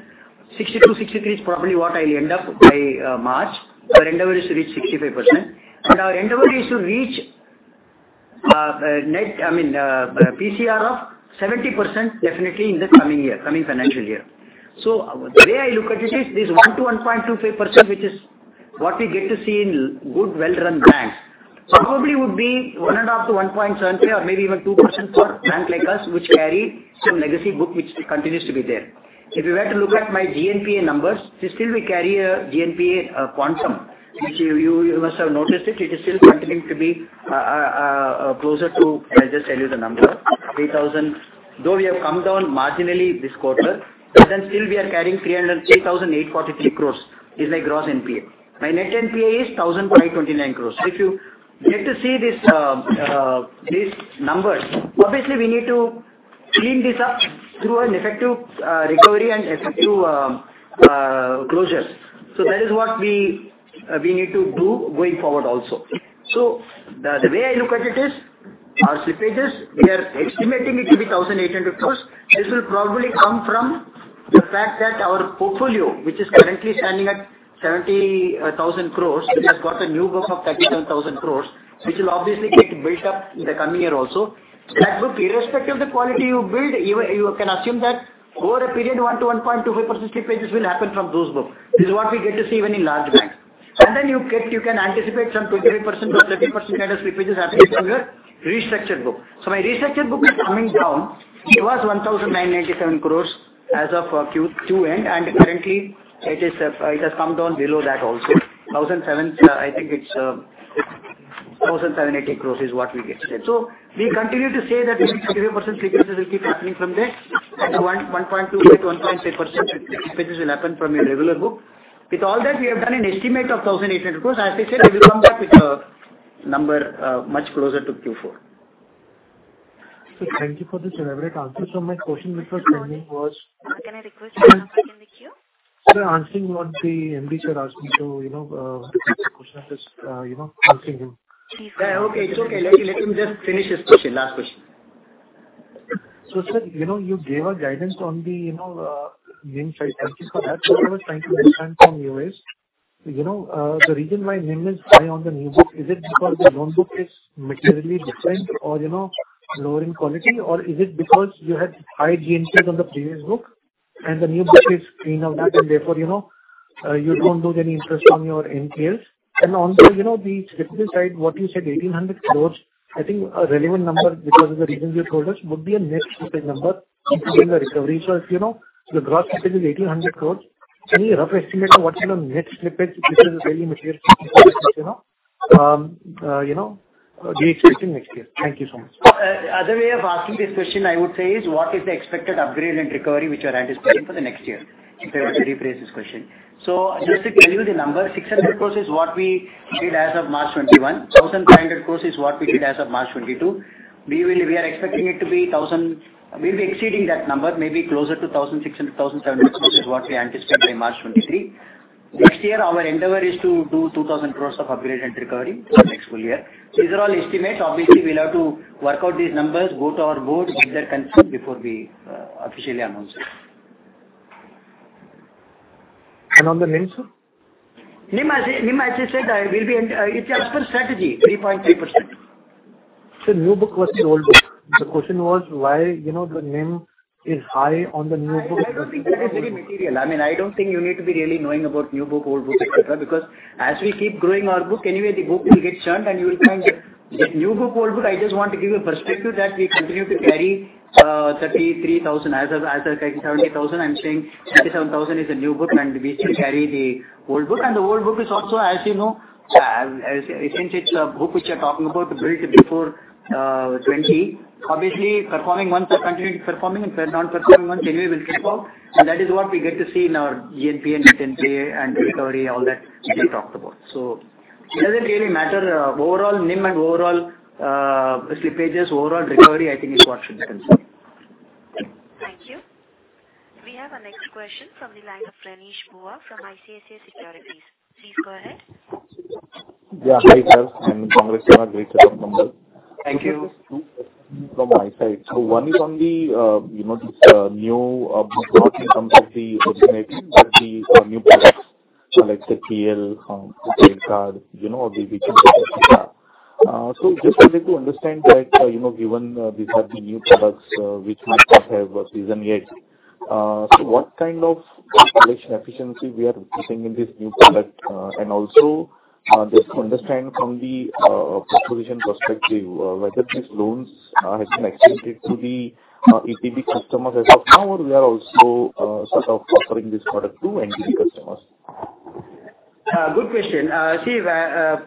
Speaker 3: 60%-63% is probably what I'll end up by March. Our endeavor is to reach 65%, and our endeavor is to reach net, I mean, PCR of 70% definitely in the coming year, coming financial year. So the way I look at it is, this 1%-1.25%, which is what we get to see in good, well-run banks, probably would be 1.5%-1.7%, or maybe even 2% for bank like us, which carry some legacy book, which continues to be there. If you were to look at my GNPA numbers, we still carry a GNPA quantum, which you must have noticed it. It is still continuing to be closer to... I'll just tell you the number, though we have come down marginally this quarter, but then still we are carrying 10,843 crore is my gross NPA. My net NPA is 1,529 crore. If you get to see this, these numbers, obviously, we need to clean this up through an effective recovery and effective closures. So that is what we need to do going forward also. So the way I look at it is, our slippages, we are estimating it to be 1,800 crore. This will probably come from the fact that our portfolio, which is currently standing at 70,000 crore, which has got a new book of 37,000 crore, which will obviously get built up in the coming year also. That book, irrespective of the quality you build, you can assume that over a period, 1%-1.25% slippages will happen from those books. This is what we get to see even in large banks. Then you get, you can anticipate some 28% or 30% slippages happening to your restructured book. So my restructured book is coming down. It was 1,997 crore as of Q2 end, and currently it is, it has come down below that also. Thousand seven, I think it's, thousand seven eighty crores is what we get today. So we continue to say that maybe 30% slippages will keep happening from this, and 1.2%-1.3% slippages will happen from your regular book. With all that, we have done an estimate of 1,800 crore. As I said, we will come back with a number, much closer to Q4.
Speaker 8: So thank you for this elaborate answer. So my question which was pending was-
Speaker 1: Can I request another in the queue?
Speaker 8: Sir, answering what the MD sir asked me to, you know, the question is, you know, answering him.
Speaker 3: Yeah, okay. It's okay. Let me, let me just finish this question, last question.
Speaker 8: So, sir, you know, you gave a guidance on the, you know, NIM side. Thank you for that. So I was trying to understand from your end, you know, the reason why NIM is high on the new book, is it because the loan book is materially different or, you know, lower in quality? Or is it because you had high GNPAs on the previous book and the new book is clean of that, and therefore, you know, you don't lose any interest on your NPAs? And also, you know, the slippage side, what you said, 1,800 crore, I think a relevant number, because of the reasons you told us, would be a net slippage number during the recovery. So if you know, the gross slippage is 1,800 crore, any rough estimate on what, you know, net slippage, which is really material, you know, do you expect in next year? Thank you so much.
Speaker 3: Other way of asking this question, I would say, is what is the expected upgrade and recovery which you are anticipating for the next year? If I were to rephrase this question. So just to tell you the number, 600 crore is what we did as of March 2021. 1,500 crore is what we did as of March 2022. We are expecting it to be thousand. We'll be exceeding that number, maybe closer to 1,600-1,700 crore is what we anticipate by March 2023. Next year, our endeavor is to do 2,000 crore of upgrade and recovery for next full year. These are all estimates. Obviously, we'll have to work out these numbers, go to our board, get their consent before we officially announce it.
Speaker 8: On the NIM, sir?
Speaker 3: NIM, as I said, will be... It's our strategy, 3.3%.
Speaker 8: New book versus old book. The question was why, you know, the NIM is high on the new book?
Speaker 3: I don't think that is very material. I mean, I don't think you need to be really knowing about new book, old book, et cetera, because as we keep growing our book, anyway, the book will get churned and you will find that this new book, old book, I just want to give you a perspective that we continue to carry 33,000 crores. As of, as of 37,000 crores, I'm saying 37,000 crores is a new book, and we still carry the old book. And the old book is also, as you know, as, since it's a book which you are talking about built before 2020, obviously, performing ones are continuing to performing, and non-performing ones anyway will skip out. And that is what we get to see in our GNPA and net NPA and recovery, all that we talked about. So it doesn't really matter. Overall NIM and overall slippages, overall recovery, I think is what should concern.
Speaker 1: Thank you. We have our next question from the line of Renish Bhuva from ICICI Securities. Please go ahead.
Speaker 9: Yeah, hi, sir. I'm Congress, great to be on board.
Speaker 3: Thank you.
Speaker 9: From my side. So one is on the, you know, this, new, in terms of the ultimate, the new products, so like the PL, the credit card, you know, so just wanted to understand that, you know, given, these are the new products, which might not have seasoned yet, so what kind of collection efficiency we are seeing in this new product? And also, just to understand from the, proposition perspective, whether these loans, has been extended to the, ETB customers as of now, or we are also, sort of offering this product to NTB customers?
Speaker 3: Good question. See,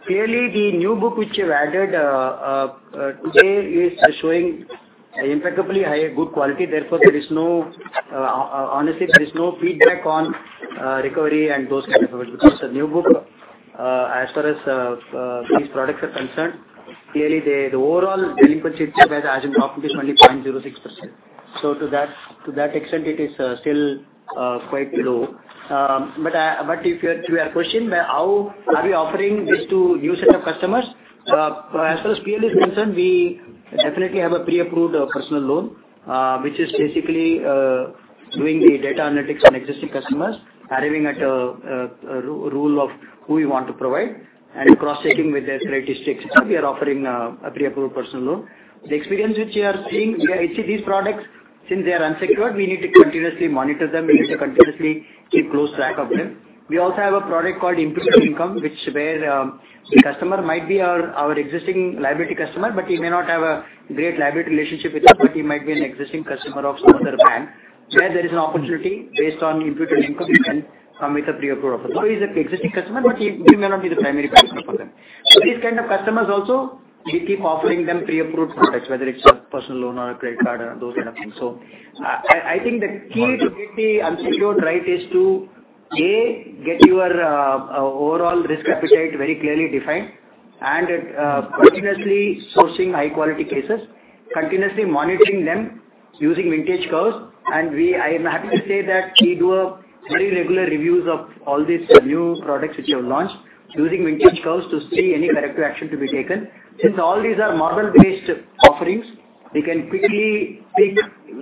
Speaker 3: clearly, the new book which we've added today is showing impeccably high good quality. Therefore, there is no, honestly, there is no feedback on recovery and those kind of things. Because the new book, as far as these products are concerned, clearly, the overall delinquency as in rocking is only 0.06%. So to that extent, it is still quite low. But to your question, how are we offering this to new set of customers? As far as PL is concerned, we definitely have a pre-approved personal loan, which is basically doing the data analytics on existing customers, arriving at a rule of who we want to provide, and cross-checking with their credit history. We are offering a pre-approved personal loan. The experience which we are seeing. See, these products, since they are unsecured, we need to continuously monitor them. We need to continuously keep close track of them. We also have a product called Imputed Income, where the customer might be our existing liability customer, but he may not have a great liability relationship with us, but he might be an existing customer of some other bank. Where there is an opportunity based on imputed income, we can come with a pre-approved offer. So he's an existing customer, but he, he may not be the primary customer for them. So these kind of customers also, we keep offering them pre-approved products, whether it's a personal loan or a credit card, or those kind of things. So I think the key to get the unsecured right is to, A, get your overall risk appetite very clearly defined, and continuously sourcing high-quality cases, continuously monitoring them using vintage curves. I am happy to say that we do very regular reviews of all these new products which we have launched, using vintage curves to see any corrective action to be taken. Since all these are model-based offerings, we can quickly pick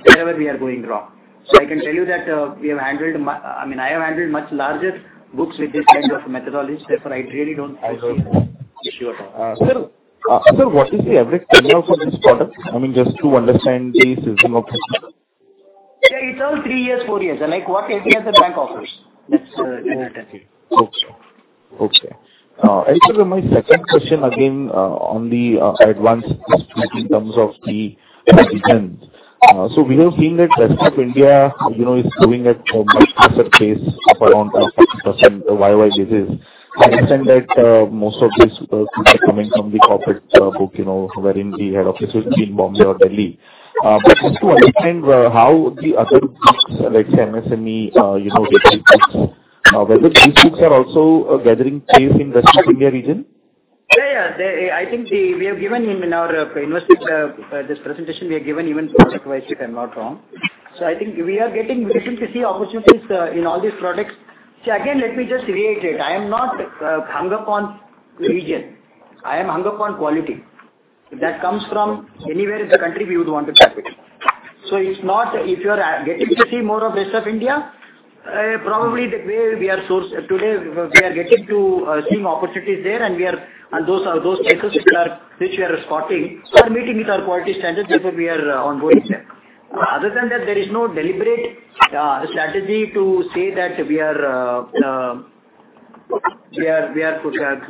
Speaker 3: wherever we are going wrong. So I can tell you that, we have handled, I mean, I have handled much larger books with this kind of methodology. Therefore, I really don't see an issue at all.
Speaker 9: Sir, what is the average tenure for this product? I mean, just to understand the seasoning of this product....
Speaker 3: Yeah, it's all three years, four years, like what any other bank offers. That's in our tenure.
Speaker 9: Okay. Okay. And so my second question again, on the advance in terms of the region. So we have seen that rest of India, you know, is growing at a much faster pace, up around 50% Y-o-Y basis. I understand that most of this coming from the corporate book, you know, wherein we had offices in Bombay or Delhi. But just to understand how the other groups, like MSME, you know, whether these groups are also gathering pace in rest of India region?
Speaker 3: Yeah, yeah. They, I think we have given in our investor this presentation, we have given even product-wise, if I'm not wrong. So I think we are getting to see opportunities in all these products. So again, let me just reiterate, I am not hung up on region. I am hung up on quality. If that comes from anywhere in the country, we would want to tap it. So it's not if you are getting to see more of rest of India, probably the way we are source today, we are getting to seeing opportunities there, and we are. And those are, those places which are, which we are spotting, we are meeting with our quality standards, therefore, we are ongoing there. Other than that, there is no deliberate strategy to say that we are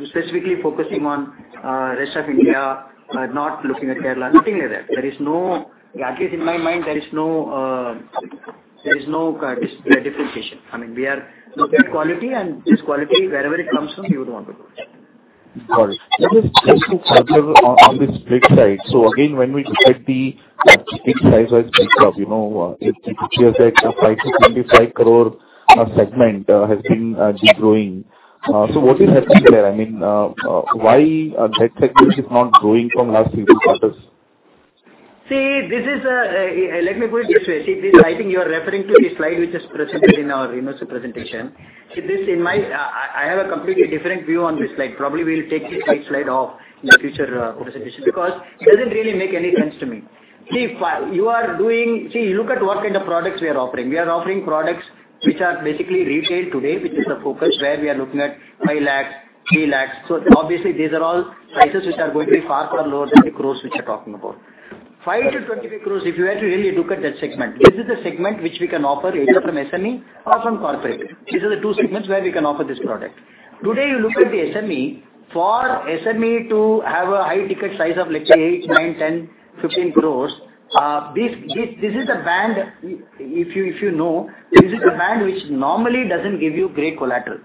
Speaker 3: specifically focusing on rest of India, not looking at Kerala, nothing like that. There is no, at least in my mind, there is no differentiation. I mean, we are looking at quality, and this quality, wherever it comes from, we would want to go.
Speaker 9: Got it. Just to follow on, on this split side. So again, when we look at the ticket size, you know, like 5 crore-25 crore segment, has been degrowing. So what is happening there? I mean, why that segment is not growing from last few quarters?
Speaker 3: See, this is a... Let me put it this way. See, this, I think you are referring to the slide which is presented in our investor presentation. See, this in my-- I, I have a completely different view on this slide. Probably, we'll take this slide off in the future presentation, because it doesn't really make any sense to me. See, if you are doing... See, look at what kind of products we are offering. We are offering products which are basically retailed today, which is the focus, where we are looking at 5 lakh, 3 lakh. Obviously, these are all prices which are going to be far, far lower than the crores which you're talking about. 5 crore-25 crore, if you were to really look at that segment, this is a segment which we can offer either from SME or from corporate. These are the two segments where we can offer this product. Today, you look at the SME, for SME to have a high ticket size of, let's say, 8 crore, 9 crore, 10 crore, 15 crore, this is the band, if you know, this is the band which normally doesn't give you great collateral.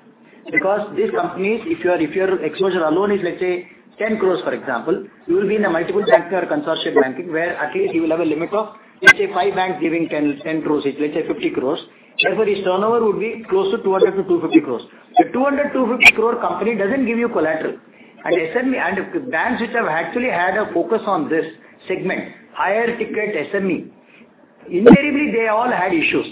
Speaker 3: Because these companies, if your exposure alone is, let's say, 10 crore, for example, you will be in a multiple banker consortium banking, where at least you will have a limit of, let's say, five banks giving 10 crore each, let's say 50 crore. Therefore, this turnover would be close to 200 crore-250 crore. The 200-250 crore company doesn't give you collateral. And SME and banks which have actually had a focus on this segment, higher ticket SME, invariably, they all had issues.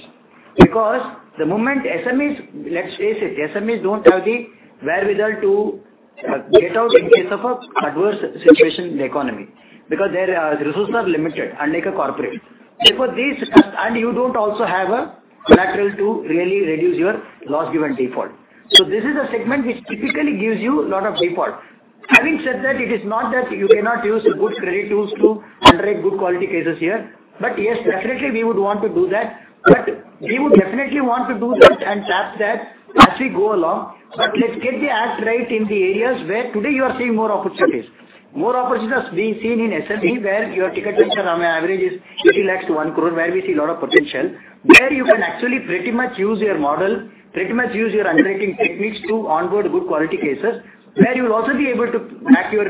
Speaker 3: Because the moment SMEs, let's face it, SMEs don't have the wherewithal to get out in case of an adverse situation in the economy, because their resources are limited, unlike a corporate. Therefore, these and you don't also have a collateral to really reduce your loss given default. So this is a segment which typically gives you a lot of default. Having said that, it is not that you cannot use good credit tools to underwrite good quality cases here, but yes, definitely we would want to do that, but we would definitely want to do that and tap that as we go along. But let's get the act right in the areas where today you are seeing more opportunities. More opportunities being seen in SME, where your ticket mixture on an average is 80 lakh-1 crore, where we see a lot of potential, where you can actually pretty much use your model, pretty much use your underwriting techniques to onboard good quality cases, where you'll also be able to back your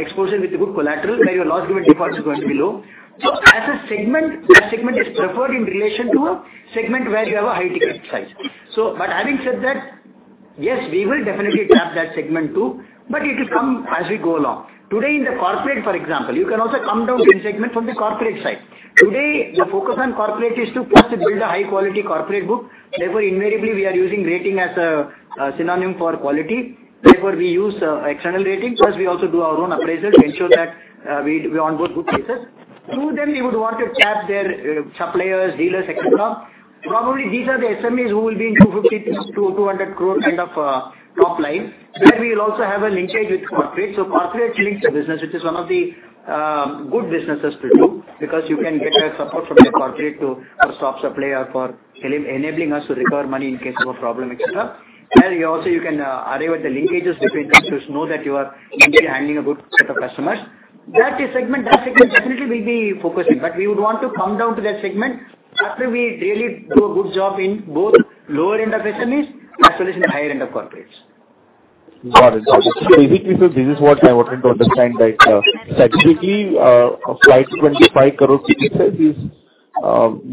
Speaker 3: exposure with a good collateral, where your loss given defaults are going to be low. So as a segment, that segment is preferred in relation to a segment where you have a high ticket size. So but having said that, yes, we will definitely tap that segment, too, but it will come as we go along. Today, in the corporate, for example, you will also come down in segment from the corporate side. Today, the focus on corporate is to first build a high-quality corporate book. Therefore, invariably, we are using rating as a synonym for quality. Therefore, we use external rating, plus we also do our own appraisals, ensure that we onboard good cases. Through them, we would want to tap their suppliers, dealers, et cetera. Probably, these are the SMEs who will be in 250 crore-200 crore kind of top line, where we will also have a linkage with corporate. So corporate links the business, which is one of the good businesses to do, because you can get a support from the corporate to stop supply or for enabling us to recover money in case of a problem, et cetera. Where you also, you can arrive at the linkages between customers, know that you are mainly handling a good set of customers. That segment, that segment definitely we'll be focusing, but we would want to come down to that segment after we really do a good job in both lower end of SMEs as well as the higher end of corporates.
Speaker 9: Got it. Basically, sir, this is what I wanted to understand, that strategically, a 5 crore-25 crore ticket size is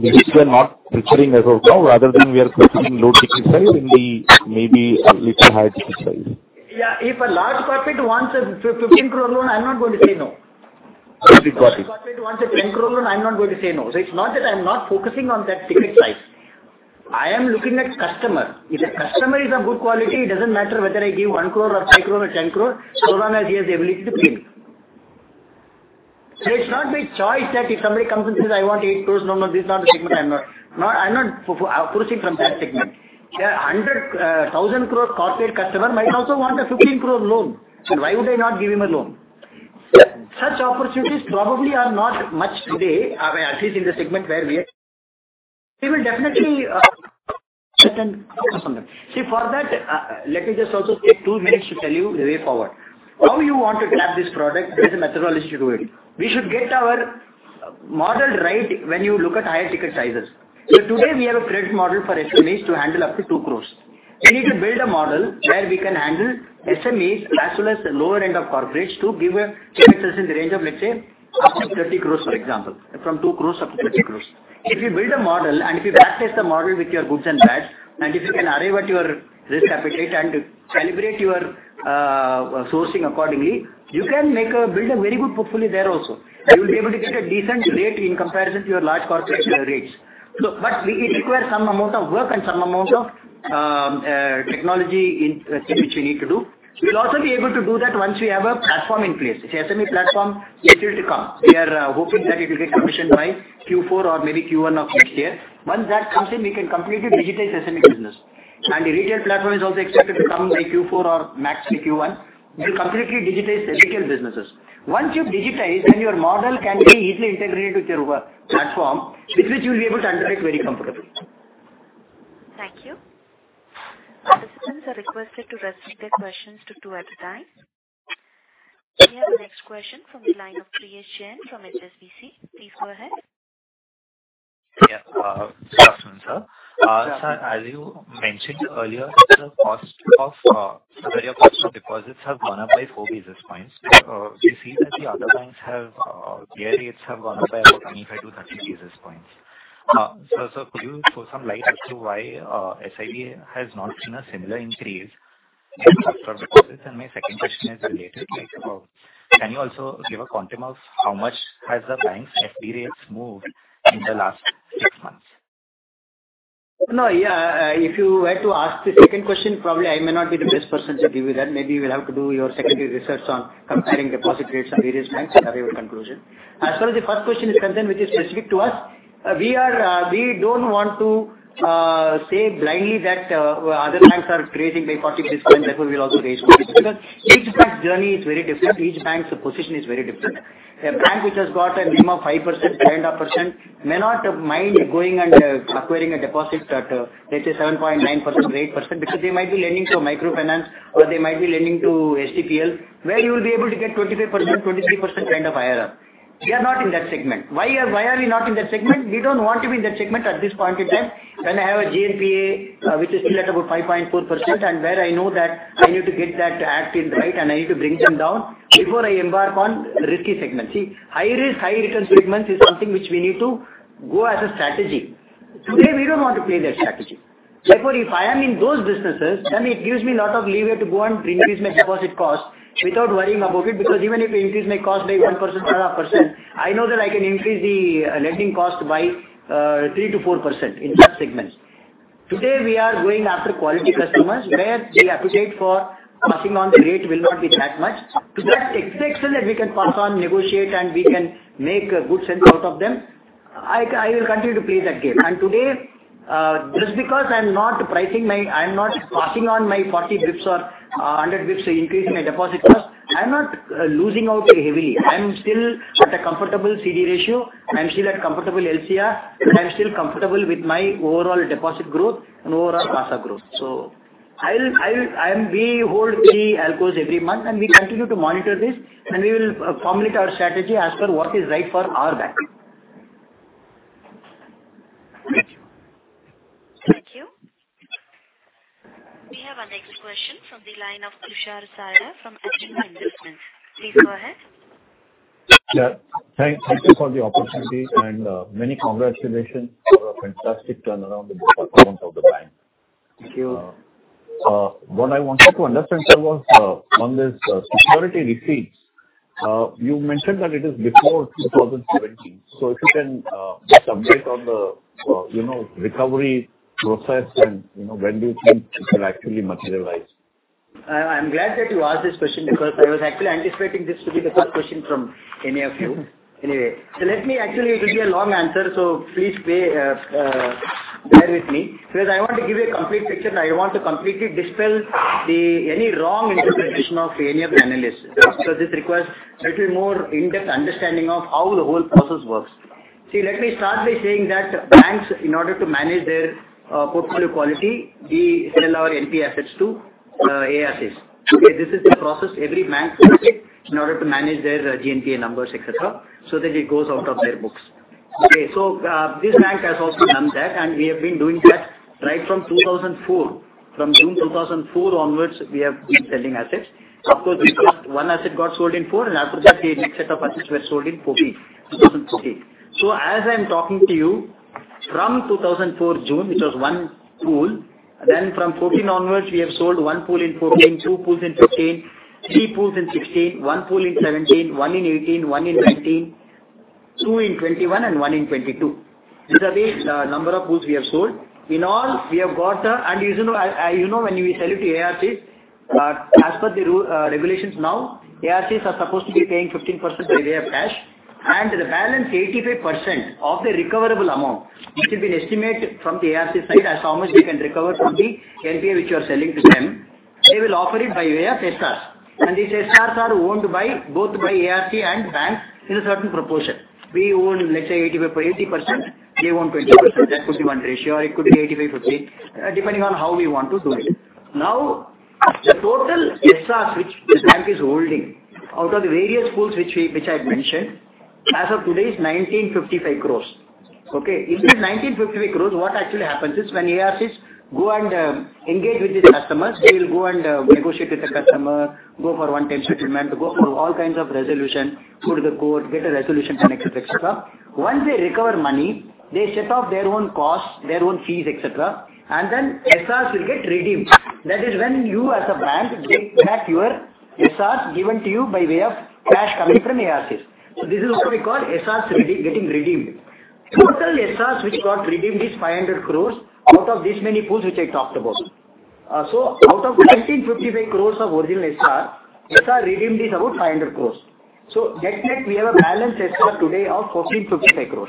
Speaker 9: which we are not considering as of now, rather than we are focusing low ticket size and the maybe a little higher ticket size.
Speaker 3: Yeah, if a large corporate wants a 15 crore loan, I'm not going to say no.
Speaker 9: Got it.
Speaker 3: If a corporate wants a 10 crore loan, I'm not going to say no. So it's not that I'm not focusing on that ticket size. I am looking at customer. If the customer is of good quality, it doesn't matter whether I give 1 crore or 5 crore or 10 crore, so long as he has the ability to pay me. So it's not my choice that if somebody comes and says, "I want 8 crore," no, no, this is not the segment. No, I'm not approaching from that segment. The hundred thousand crore corporate customer might also want a 15 crore loan. So why would I not give him a loan? Such opportunities probably are not much today, at least in the segment where we are. We will definitely, for that, let me just also take two minutes to tell you the way forward. How you want to grab this product, there's a methodology to it. We should get our model right when you look at higher ticket sizes. So today we have a credit model for SMEs to handle up to 2 crore. We need to build a model where we can handle SMEs, as well as the lower end of corporates, to give a ticket size in the range of, let's say, up to 30 crores, for example, from 2 crore up to 30 crores. If you build a model and if you back test the model with your goods and bads, and if you can arrive at your risk appetite and calibrate your sourcing accordingly, you can build a very good portfolio there also. You will be able to get a decent rate in comparison to your large corporation rates. So but we, it requires some amount of work and some amount of, technology in, which we need to do. We'll also be able to do that once we have a platform in place. The SME platform is yet to come. We are hoping that it will get commissioned by Q4 or maybe Q1 of next year. Once that comes in, we can completely digitize SME business. The retail platform is also expected to come by Q4 or max by Q1. We'll completely digitize the retail businesses. Once you've digitized, then your model can be easily integrated with your, platform, with which you'll be able to undertake very comfortably.
Speaker 1: Thank you. Participants are requested to restrict their questions to two at a time. We have the next question from the line of Priyesh Jain from HSBC. Please go ahead.
Speaker 10: Yeah. Good afternoon, sir. Sir, as you mentioned earlier, the cost of your customer deposits have gone up by four basis points. We see that the other banks, their rates have gone up by about 25-30 basis points. So, could you throw some light as to why SIB has not seen a similar increase in customer deposits? And my second question is related, like, can you also give a quantum of how much has the bank's FD rates moved in the last six months?
Speaker 3: No, yeah, if you were to ask the second question, probably I may not be the best person to give you that. Maybe you will have to do your secondary research on comparing deposit rates of various banks and arrive at conclusion. As far as the first question is concerned, which is specific to us, we are, we don't want to, say blindly that, other banks are raising by 40 basis points, therefore, we'll also raise by 40 basis points. Because each bank's journey is very different. Each bank's position is very different. A bank which has got a NIM of 5%, kind of percent, may not mind going and, acquiring a deposit at, let's say 7.9% or 8%, because they might be lending to microfinance, or they might be lending to STPL, where you'll be able to get 25%, 23% kind of IRR. We are not in that segment. Why are, why are we not in that segment? We don't want to be in that segment at this point in time. When I have a GNPA, which is still at about 5.4%, and where I know that I need to get that act in right, and I need to bring them down before I embark on risky segment. See, high risk, high return segments is something which we need to go as a strategy. Today, we don't want to play that strategy. Therefore, if I am in those businesses, then it gives me a lot of leeway to go and increase my deposit cost without worrying about it, because even if I increase my cost by 1% or 0.5%, I know that I can increase the, lending cost by, 3%-4% in such segments. Today, we are going after quality customers where the appetite for passing on the rate will not be that much. To that extent that we can pass on, negotiate, and we can make a good sense out of them, I, I will continue to play that game. And today, just because I'm not pricing my... I'm not passing on my 40 bips or, 100 bips increase in my deposit cost, I'm not, losing out heavily. I'm still at a comfortable CD ratio, I'm still at comfortable LCR, and I'm still comfortable with my overall deposit growth and overall CASA growth. So we hold the ALCOs every month, and we continue to monitor this, and we will formulate our strategy as per what is right for our bank.
Speaker 1: Thank you. We have our next question from the line of Tushar Sarda from Athena Investments. Please go ahead.
Speaker 11: Yeah. Thank you for the opportunity, and many congratulations for a fantastic turnaround in the performance of the bank.
Speaker 3: Thank you.
Speaker 11: What I wanted to understand, sir, was on this security receipts you mentioned that it is before 2017. So if you can just update on the, you know, recovery process and, you know, when do you think it will actually materialize?
Speaker 3: I'm glad that you asked this question, because I was actually anticipating this to be the first question from any of you. Anyway, so let me actually, it will be a long answer, so please bear with me, because I want to give you a complete picture, and I want to completely dispel any wrong interpretation of any of the analysts. So this requires a little more in-depth understanding of how the whole process works. See, let me start by saying that banks, in order to manage their portfolio quality, we sell our NPA assets to ARCs. Okay, this is a process every bank does it in order to manage their GNPA numbers, et cetera, so that it goes out of their books. Okay, so, this bank has also done that, and we have been doing that right from 2004. From June 2004 onwards, we have been selling assets. Of course, we first, one asset got sold in 2004, and after that, the next set of assets were sold in 2014. So as I'm talking to you, from 2004, June, which was one pool, then from 2014 onwards, we have sold one pool in 2014, two pools in 2015, three pools in 2016, one pool in 2017, one in 2018, one in 2019, two in 2021, and one in 2022. These are the number of pools we have sold. In all, we have got the... You, you know, I, I, you know, when we sell it to ARCs, as per the regulations now, ARCs are supposed to be paying 15% by way of cash, and the balance 85% of the recoverable amount, which has been estimated from the ARC side as how much we can recover from the NPA which you are selling to them, they will offer it by way of SRs, and these SRs are owned by both by ARC and bank in a certain proportion. We own, let's say, 85, 80%, they own 20%. That could be one ratio, or it could be 85%, 15%, depending on how we want to do it. Now, the total SRs which the bank is holding out of the various pools which we, which I had mentioned, as of today is 1,955 crore, okay? In these 1,955 crores, what actually happens is when ARCs go and engage with the customers, they will go and negotiate with the customer, go for one-time settlement, go through all kinds of resolution, go to the court, get a resolution connected, et cetera. Once they recover money, they set off their own costs, their own fees, et cetera, and then SRs will get redeemed. That is when you, as a bank, get back your SRs given to you by way of cash coming from ARCs. So this is what we call SRs getting redeemed. Total SRs which got redeemed is 500 crore out of these many pools which I talked about. So out of the 1,955 crore of original SR, SR redeemed is about 500 crore. So that means we have a balance SR today of 1,455 crore.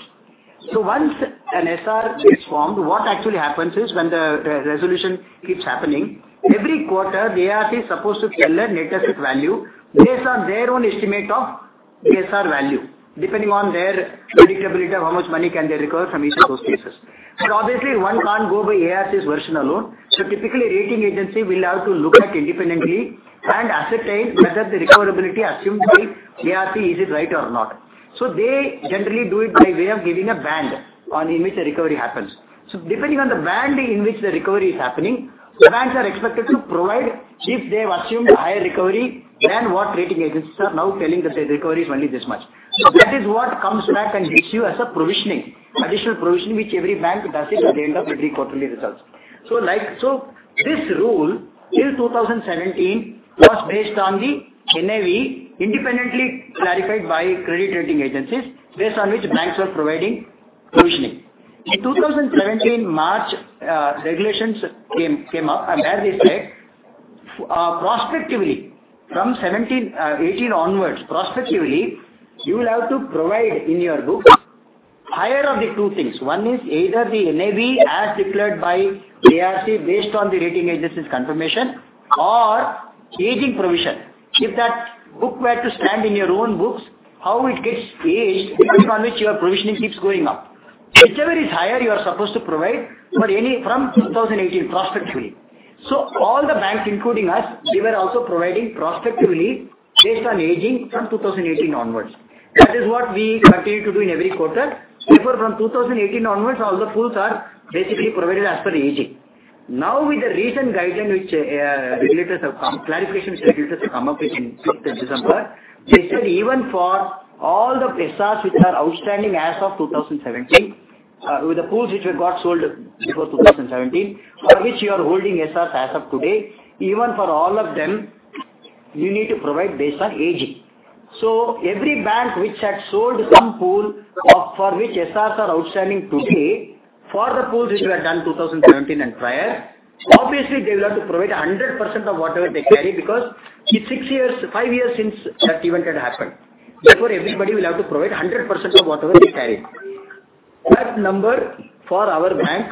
Speaker 3: So once an SR is formed, what actually happens is when the resolution keeps happening, every quarter, the ARC is supposed to tell a net asset value based on their own estimate of the SR value, depending on their predictability of how much money can they recover from each of those cases. So obviously, one can't go by ARC's version alone, so typically, rating agency will have to look at independently and ascertain whether the recoverability assumed by ARC, is it right or not. So they generally do it by way of giving a band on in which the recovery happens. So depending on the band in which the recovery is happening, the banks are expected to provide if they have assumed a higher recovery than what rating agencies are now telling us that recovery is only this much. So that is what comes back and hits you as a provisioning, additional provisioning, which every bank does it at the end of every quarterly results. So like, so this rule, till 2017, was based on the NAV independently clarified by credit rating agencies, based on which banks were providing provisioning. In 2017, March, regulations came up, and where they said, prospectively, from 2017, 2018 onwards, prospectively, you will have to provide in your books higher of the two things. One is either the NAV as declared by ARC based on the rating agency's confirmation or aging provision. If that book were to stand in your own books, how it gets aged, depending on which your provisioning keeps going up. Whichever is higher, you are supposed to provide for any from 2018, prospectively. So all the banks, including us, they were also providing prospectively based on aging from 2018 onwards. That is what we continue to do in every quarter. Therefore, from 2018 onwards, all the pools are basically provided as per aging. Now, with the recent guidance which regulators have come, clarification regulators have come up with in December 5th, they said even for all the SRs which are outstanding as of 2017, with the pools which were got sold before 2017, for which you are holding SRs as of today, even for all of them, you need to provide based on aging. Every bank which had sold some pool of, for which SRs are outstanding today, for the pools which were done 2017 and prior, obviously, they will have to provide 100% of whatever they carry, because it's six years, five years since that event had happened. Therefore, everybody will have to provide 100% of whatever they carry. That number for our bank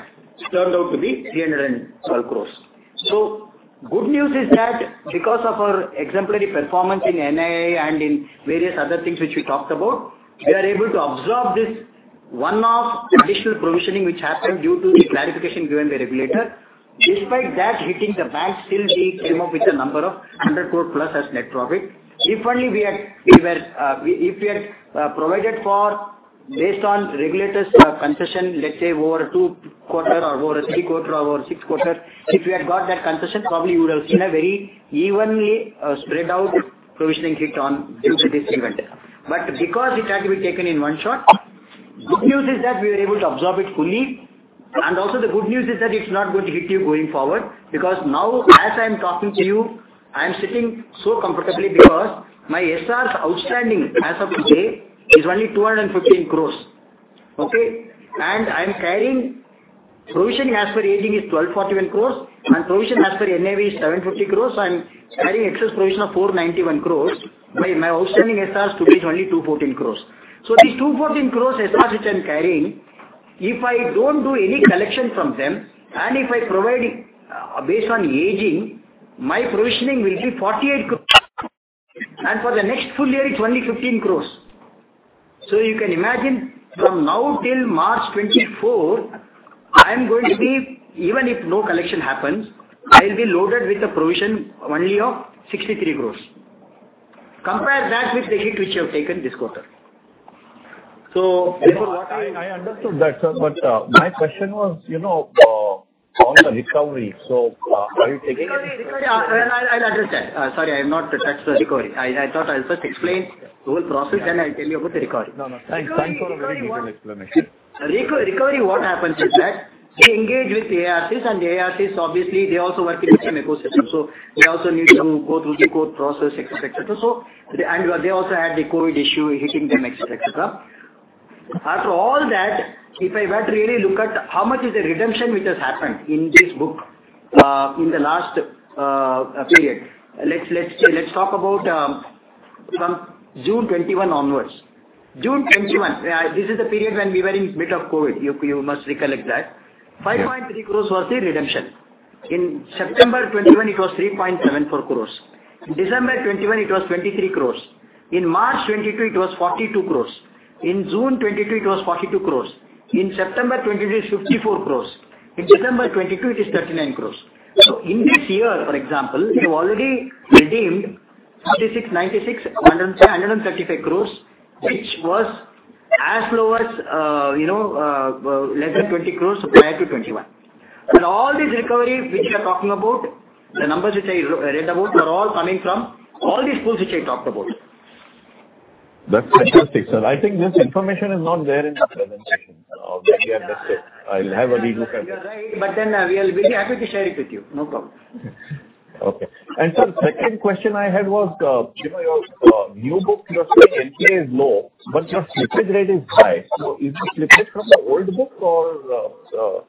Speaker 3: turned out to be 312 crore. Good news is that because of our exemplary performance in NII and in various other things which we talked about, we are able to absorb this one-off additional provisioning which happened due to the clarification given by regulator. Despite that hitting the bank, still we came up with a number of +100 crores plus as net profit. If only we had provided for based on regulator's concession, let's say, over a two quarter or over a three quarter or over a six quarter, if we had got that concession, probably you would have seen a very evenly spread out provisioning hit due to this event. But because it had to be taken in one shot, good news is that we were able to absorb it fully, and also the good news is that it's not going to hit you going forward, because now, as I'm talking to you, I'm sitting so comfortably because my SRs outstanding as of today is only 215 crores, okay? And I'm carrying provision as per aging is 1,241 crores, and provision as per NAV is 750 crores, so I'm carrying excess provision of 491 crores. My, my outstanding SRs today is only 214 crores. So the 214 crores SRs which I'm carrying, if I don't do any collection from them, and if I provide based on aging, my provisioning will be 48 crores. And for the next full year, it's only 15 crores. So you can imagine, from now till March 2024, I am going to be, even if no collection happens, I'll be loaded with a provision only of 63 crores. Compare that with the hit which you have taken this quarter. So-
Speaker 11: I understood that, sir, but my question was, you know, on the recovery, so are you taking-
Speaker 3: Recovery, recovery, I'll address that. Sorry, I have not touched the recovery. I thought I'll first explain the whole process, then I'll tell you about the recovery.
Speaker 11: No, no. Thanks, thanks for a very detailed explanation.
Speaker 3: Recovery, what happens is that we engage with ARCs, and ARCs, obviously, they also work in the same ecosystem, so they also need to go through the court process, et cetera, et cetera. So, and they also had the COVID issue hitting them, et cetera, et cetera. After all that, if I were to really look at how much is the redemption which has happened in this book, in the last, period. Let's talk about, from June 2021 onwards. June 2021, this is the period when we were in the middle of COVID. You must recollect that.
Speaker 11: Yeah.
Speaker 3: 5.3 crores was the redemption. In September 2021, it was 3.74 crores. In December 2021, it was 23 crores. In March 2022, it was 42 crores. In June 2022, it was 42 crores. In September 2022, it is 54 crores. In December 2022, it is 39 crores. So in this year, for example, we have already redeemed 36 crores, 96 crores, 135 crores, which was as low as, you know, less than 20 crores prior to 2021. And all these recovery which we are talking about, the numbers which I read about, are all coming from all these pools which I talked about.
Speaker 11: That's fantastic, sir. I think this information is not there in the presentation. I'll have a relook at it.
Speaker 3: You're right, but then, we'll be happy to share it with you. No problem.
Speaker 11: Okay. And sir, second question I had was, you know, your new book, your NPA is low, but your slippage rate is high. So is it slippage from the old book or,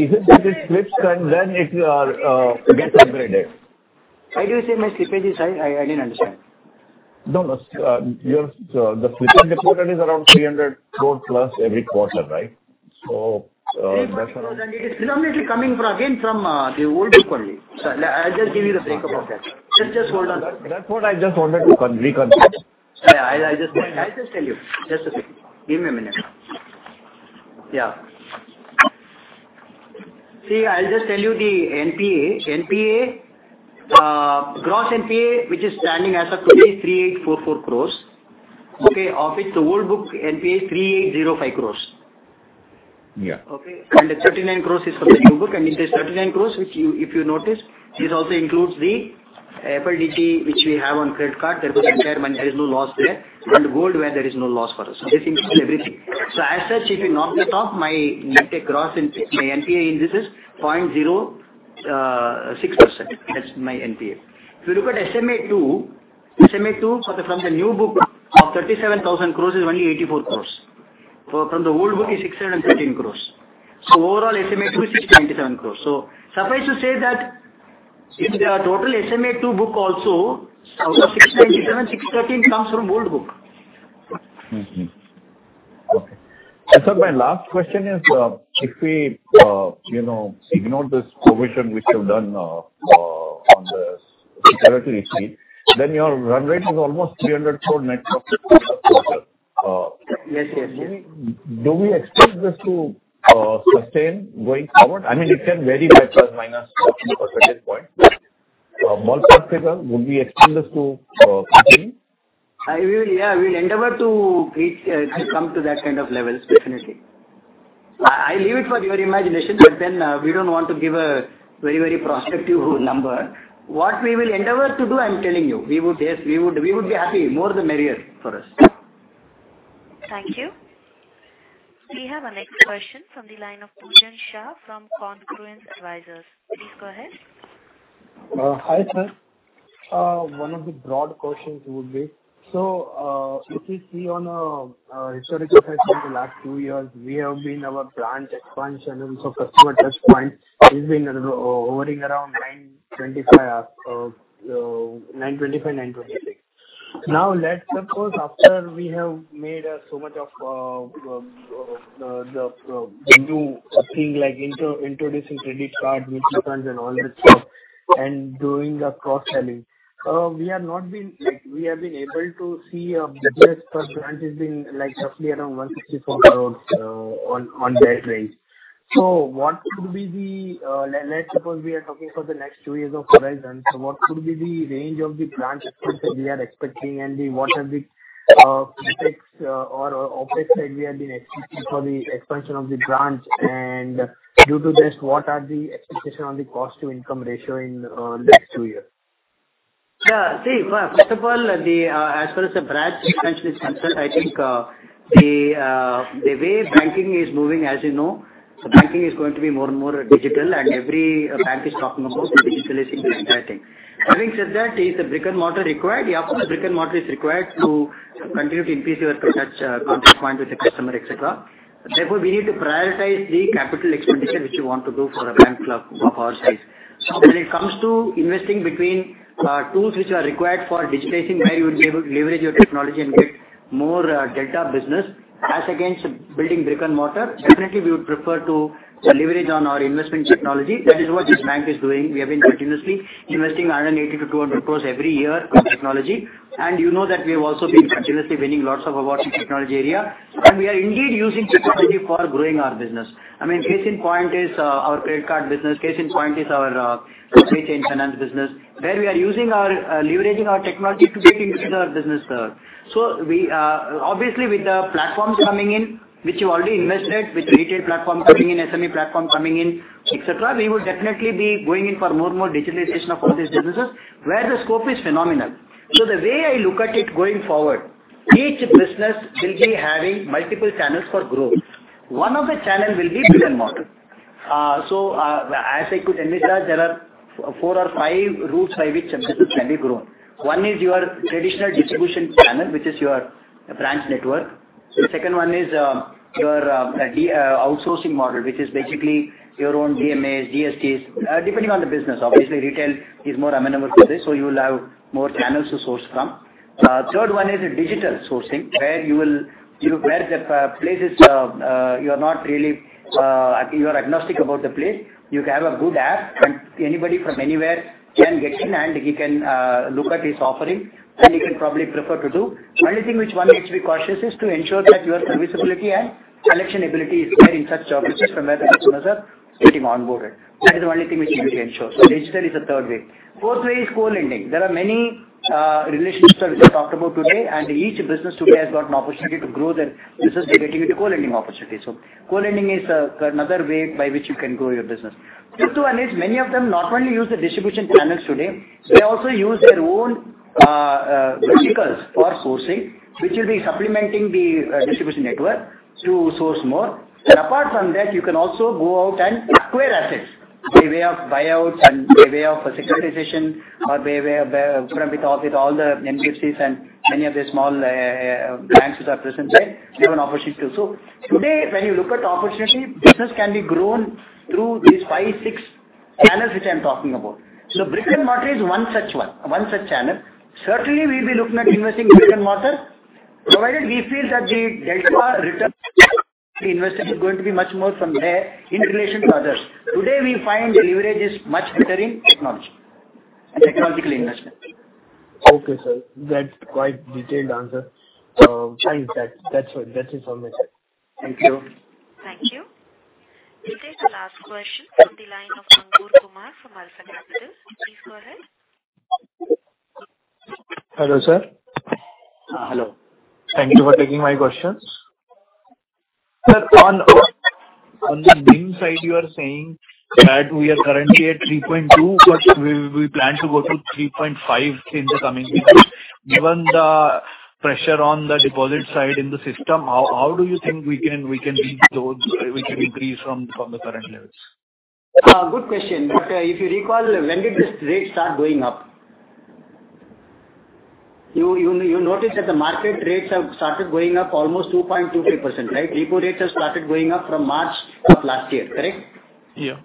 Speaker 11: is it that it slips and then it gets upgraded?
Speaker 3: Why do you say my slippage is high? I didn't understand.
Speaker 11: No, no, your, the slippage reported is around 300 crores plus every quarter, right? So, that's around-
Speaker 3: It is predominantly coming from, again, from, the old book only. So I'll just give you the breakup of that. Just, just hold on.
Speaker 11: That's what I just wanted to reconfirm.
Speaker 3: Yeah, I just, I'll just tell you. Just a second. Give me a minute. Yeah. See, I'll just tell you the NPA. NPA, gross NPA, which is standing as of today, 3,844 crores. Okay? Of which the old book NPA is 3,805 crores.
Speaker 11: Yeah.
Speaker 3: Okay? The thirty-nine crores is from the new book, and in this thirty-nine crores, which you... If you notice, this also includes the FLDG, which we have on credit card. That was entire money, there is no loss there. And gold, where there is no loss for us. So this includes everything. So as such, if you knock the top, my net gross, my NPA in this is 0.06%. That's my NPA. If you look at SMA-2, SMA-2 for the, from the new book of 37,000 crores, is only 84 crores. For, from the old book, is 613 crores. So overall, SMA-2 is 697 crores. So suffice to say that in the total SMA-2 book also, out of 697 crores, 613 crores comes from old book.
Speaker 11: Mm-hmm. Okay. And sir, my last question is, if we, you know, ignore this provision which you've done, on the security receipt, then your run rate is almost 300 crores net profit per quarter.
Speaker 3: Yes, yes.
Speaker 11: Do we expect this to sustain going forward? I mean, it can vary by plus or minus a percentage point. More comfortable, would we expect this to continue?
Speaker 3: I will, yeah, we'll endeavor to reach, to come to that kind of levels, definitely. I, I leave it for your imagination, but then, we don't want to give a very, very prospective number. What we will endeavor to do, I'm telling you, we would, yes, we would, we would be happy. More the merrier for us.
Speaker 1: Thank you. We have our next question from the line of Pujan Shah from Congruence Advisers. Please go ahead.
Speaker 12: Hi, sir. One of the broad questions would be, so, if we see on a historical perspective, the last two years, we have been our branch expansion and also customer touch point is being hovering around 925, 926. Now, let's suppose after we have made so much of the thing like introducing credit card, which and all this stuff, and doing the cross-selling, we have not been like, we have been able to see business per branch has been, like, roughly around 164 crores on that range. So what could be the, let's suppose we are talking for the next two years of horizon, so what could be the range of the branch expansion we are expecting, and what are the critics or opposite side we are being expecting for the expansion of the branch? And due to this, what are the expectation on the cost to income ratio in the next two years?
Speaker 3: Yeah. See, first of all, the as far as the branch expansion is concerned, I think, the way banking is moving, as you know, so banking is going to be more and more digital, and every bank is talking about digitalizing the entire thing. Having said that, is the brick-and-mortar required? Yeah, of course, brick-and-mortar is required to continue to increase your touch, contact point with the customer, et cetera. Therefore, we need to prioritize the capital expenditure which you want to do for a bank of our size. So when it comes to investing between, tools which are required for digitizing, where you would be able to leverage your technology and get more, delta business, as against building brick-and-mortar, definitely we would prefer to leverage on our investment technology. That is what this bank is doing. We have been continuously investing 180 crores-200 crores every year on technology, and you know that we have also been continuously winning lots of awards in technology area, and we are indeed using technology for growing our business. I mean, case in point is, our credit card business. Case in point is our, supply chain finance business, where we are using our, leveraging our technology to build our business there. So we, obviously, with the platforms coming in, which you already invested, with retail platform coming in, SME platform coming in, et cetera, we would definitely be going in for more and more digitalization of all these businesses, where the scope is phenomenal. So the way I look at it going forward, each business will be having multiple channels for growth. One of the channel will be brick-and-mortar.... So, as I could admit that there are four or five routes by which businesses can be grown. One is your traditional distribution channel, which is your branch network. The second one is your outsourcing model, which is basically your own DMAs, DSTs, depending on the business. Obviously, retail is more amenable to this, so you will have more channels to source from. Third one is a digital sourcing, where you are not really agnostic about the place. You have a good app, and anybody from anywhere can get in, and he can look at his offering, and he can probably prefer to do. Only thing which one needs to be cautious is to ensure that your serviceability and collection ability is there in such places from where the customers are getting onboarded. That is the only thing which you can ensure. So digital is the third way. Fourth way is co-lending. There are many relationships which I talked about today, and each business today has got an opportunity to grow their business by getting into co-lending opportunity. So co-lending is another way by which you can grow your business. Fifth one is, many of them not only use the distribution channels today, they also use their own verticals for sourcing, which will be supplementing the distribution network to source more. And apart from that, you can also go out and acquire assets by way of buyouts and by way of securitization or by way of, with all the NBFCs and many of the small, banks which are present there, you have an opportunity. So today, when you look at the opportunity, business can be grown through these five, six channels, which I'm talking about. So brick-and-mortar is one such one, one such channel. Certainly, we'll be looking at investing brick-and-mortar, provided we feel that the delta return investment is going to be much more from there in relation to others. Today, we find the leverage is much better in technology and technological investment.
Speaker 12: Okay, sir. That's quite detailed answer. Thanks, that, that's it. That's information. Thank you.
Speaker 1: Thank you. This is the last question from the line of Ankur Kumar from Alpha Capital. Please go ahead.
Speaker 13: Hello, sir.
Speaker 3: Uh, hello.
Speaker 13: Thank you for taking my questions. Sir, on the NIM side, you are saying that we are currently at 3.2%, but we plan to go to 3.5% in the coming weeks. Given the pressure on the deposit side in the system, how do you think we can reach those, we can increase from the current levels?
Speaker 3: Good question, but if you recall, when did this rate start going up? You noticed that the market rates have started going up almost 2.2%-3%, right? Repo rates have started going up from March of last year, correct?
Speaker 13: Yeah.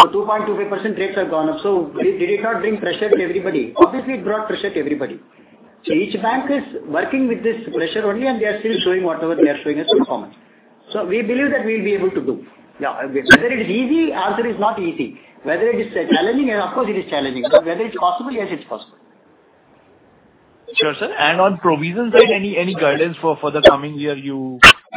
Speaker 3: So 2.23% rates have gone up. So did it not bring pressure to everybody? Obviously, it brought pressure to everybody. So each bank is working with this pressure only, and they are still showing whatever they are showing as performance. So we believe that we will be able to do. Yeah, whether it is easy, answer is not easy. Whether it is challenging, and of course, it is challenging. But whether it's possible? Yes, it's possible.
Speaker 13: Sure, sir. And on provision side, any guidance for the coming year you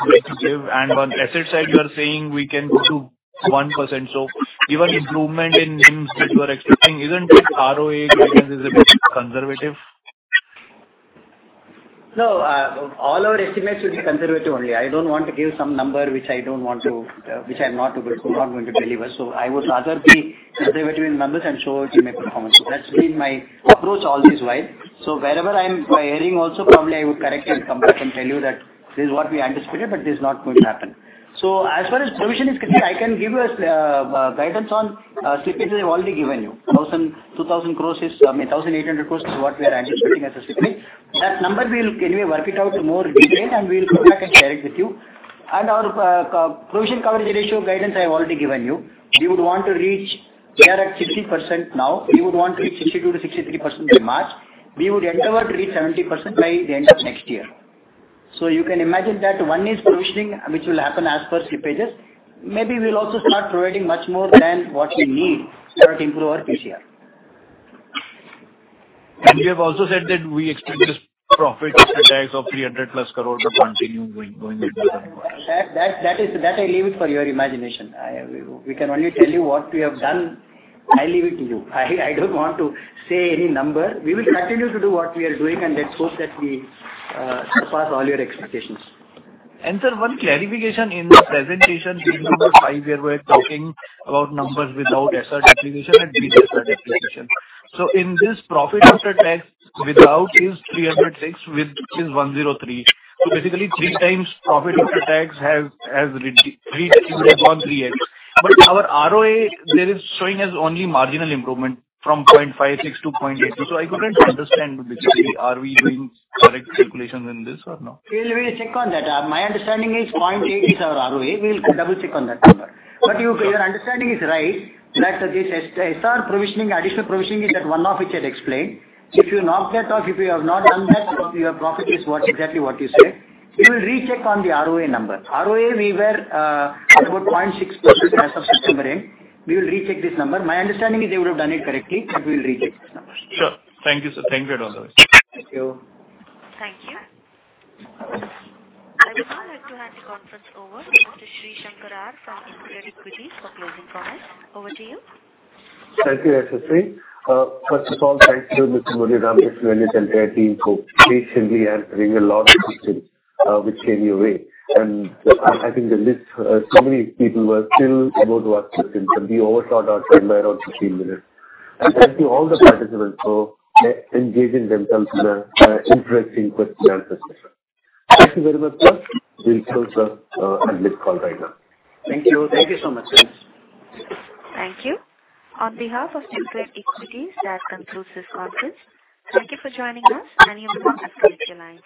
Speaker 13: would like to give? And on asset side, you are saying we can go to 1%. So given improvement in NIMs that you are expecting, isn't this ROA guidance is a bit conservative?
Speaker 3: No, all our estimates will be conservative only. I don't want to give some number which I don't want to, which I'm not able to, not going to deliver. So I would rather be conservative in numbers and show it in my performance. So that's been my approach always wide. So wherever I'm erring also, probably I would correct it and come back and tell you that this is what we anticipated, but this is not going to happen. So as far as provision is concerned, I can give you a, guidance on, slippages I've already given you. 1,000 crores-2,000 crores is, I mean, 1,800 crores is what we are anticipating as a slippage. That number, we will anyway work it out in more detail, and we will come back and share it with you. Our provision coverage ratio guidance I've already given you. We would want to reach. We are at 60% now. We would want to reach 62%-63% by March. We would endeavor to reach 70% by the end of next year. So you can imagine that one is provisioning, which will happen as per slippages. Maybe we'll also start providing much more than what we need to improve our PCR.
Speaker 13: You have also said that we expect this profit after tax of 300+ crore to continue going into the current quarter.
Speaker 3: That is, that I leave it for your imagination. We can only tell you what we have done. I leave it to you. I don't want to say any number. We will continue to do what we are doing, and let's hope that we surpass all your expectations.
Speaker 13: And, sir, one clarification in the presentation, page number 5, where we're talking about numbers without SR depreciation and with SR depreciation. So in this profit after tax, without is 306 crores, with is 103 crores. So basically, 3x profit after tax has reduced on 3x. But our ROA, there is showing as only marginal improvement from 0.56% to 0.82%. So I couldn't understand, basically, are we doing correct calculations in this or no?
Speaker 3: We will recheck on that. My understanding is 0.8% is our ROA. We'll double-check on that number. But you- your understanding is right, that this SR provisioning, additional provisioning, is that one-off, which I had explained. So if you knock that off, if you have not done that, your profit is what, exactly what you say. We will recheck on the ROA number. ROA, we were, about 0.6% as of September end. We will recheck this number. My understanding is they would have done it correctly, but we'll recheck this number.
Speaker 13: Sure. Thank you, sir. Thank you very much.
Speaker 3: Thank you.
Speaker 1: Thank you. I would now like to hand the conference over to Mr. Sreesankar R from InCred Equities for closing comments. Over to you.
Speaker 13: Thank you, Assisi. First of all, thanks to Murali Ramakrishnan, and their team for patiently answering a lot of questions, which came your way. I think the list, so many people were still about to ask questions, and we overshot our time by around 15 minutes. Thank you all the participants for engaging themselves in a interesting question and answer session. Thank you very much, sir. We'll close this call right now.
Speaker 3: Thank you. Thank you so much, sir.
Speaker 1: Thank you. On behalf of Templet Equity, that concludes this conference. Thank you for joining us, and you may disconnect your lines.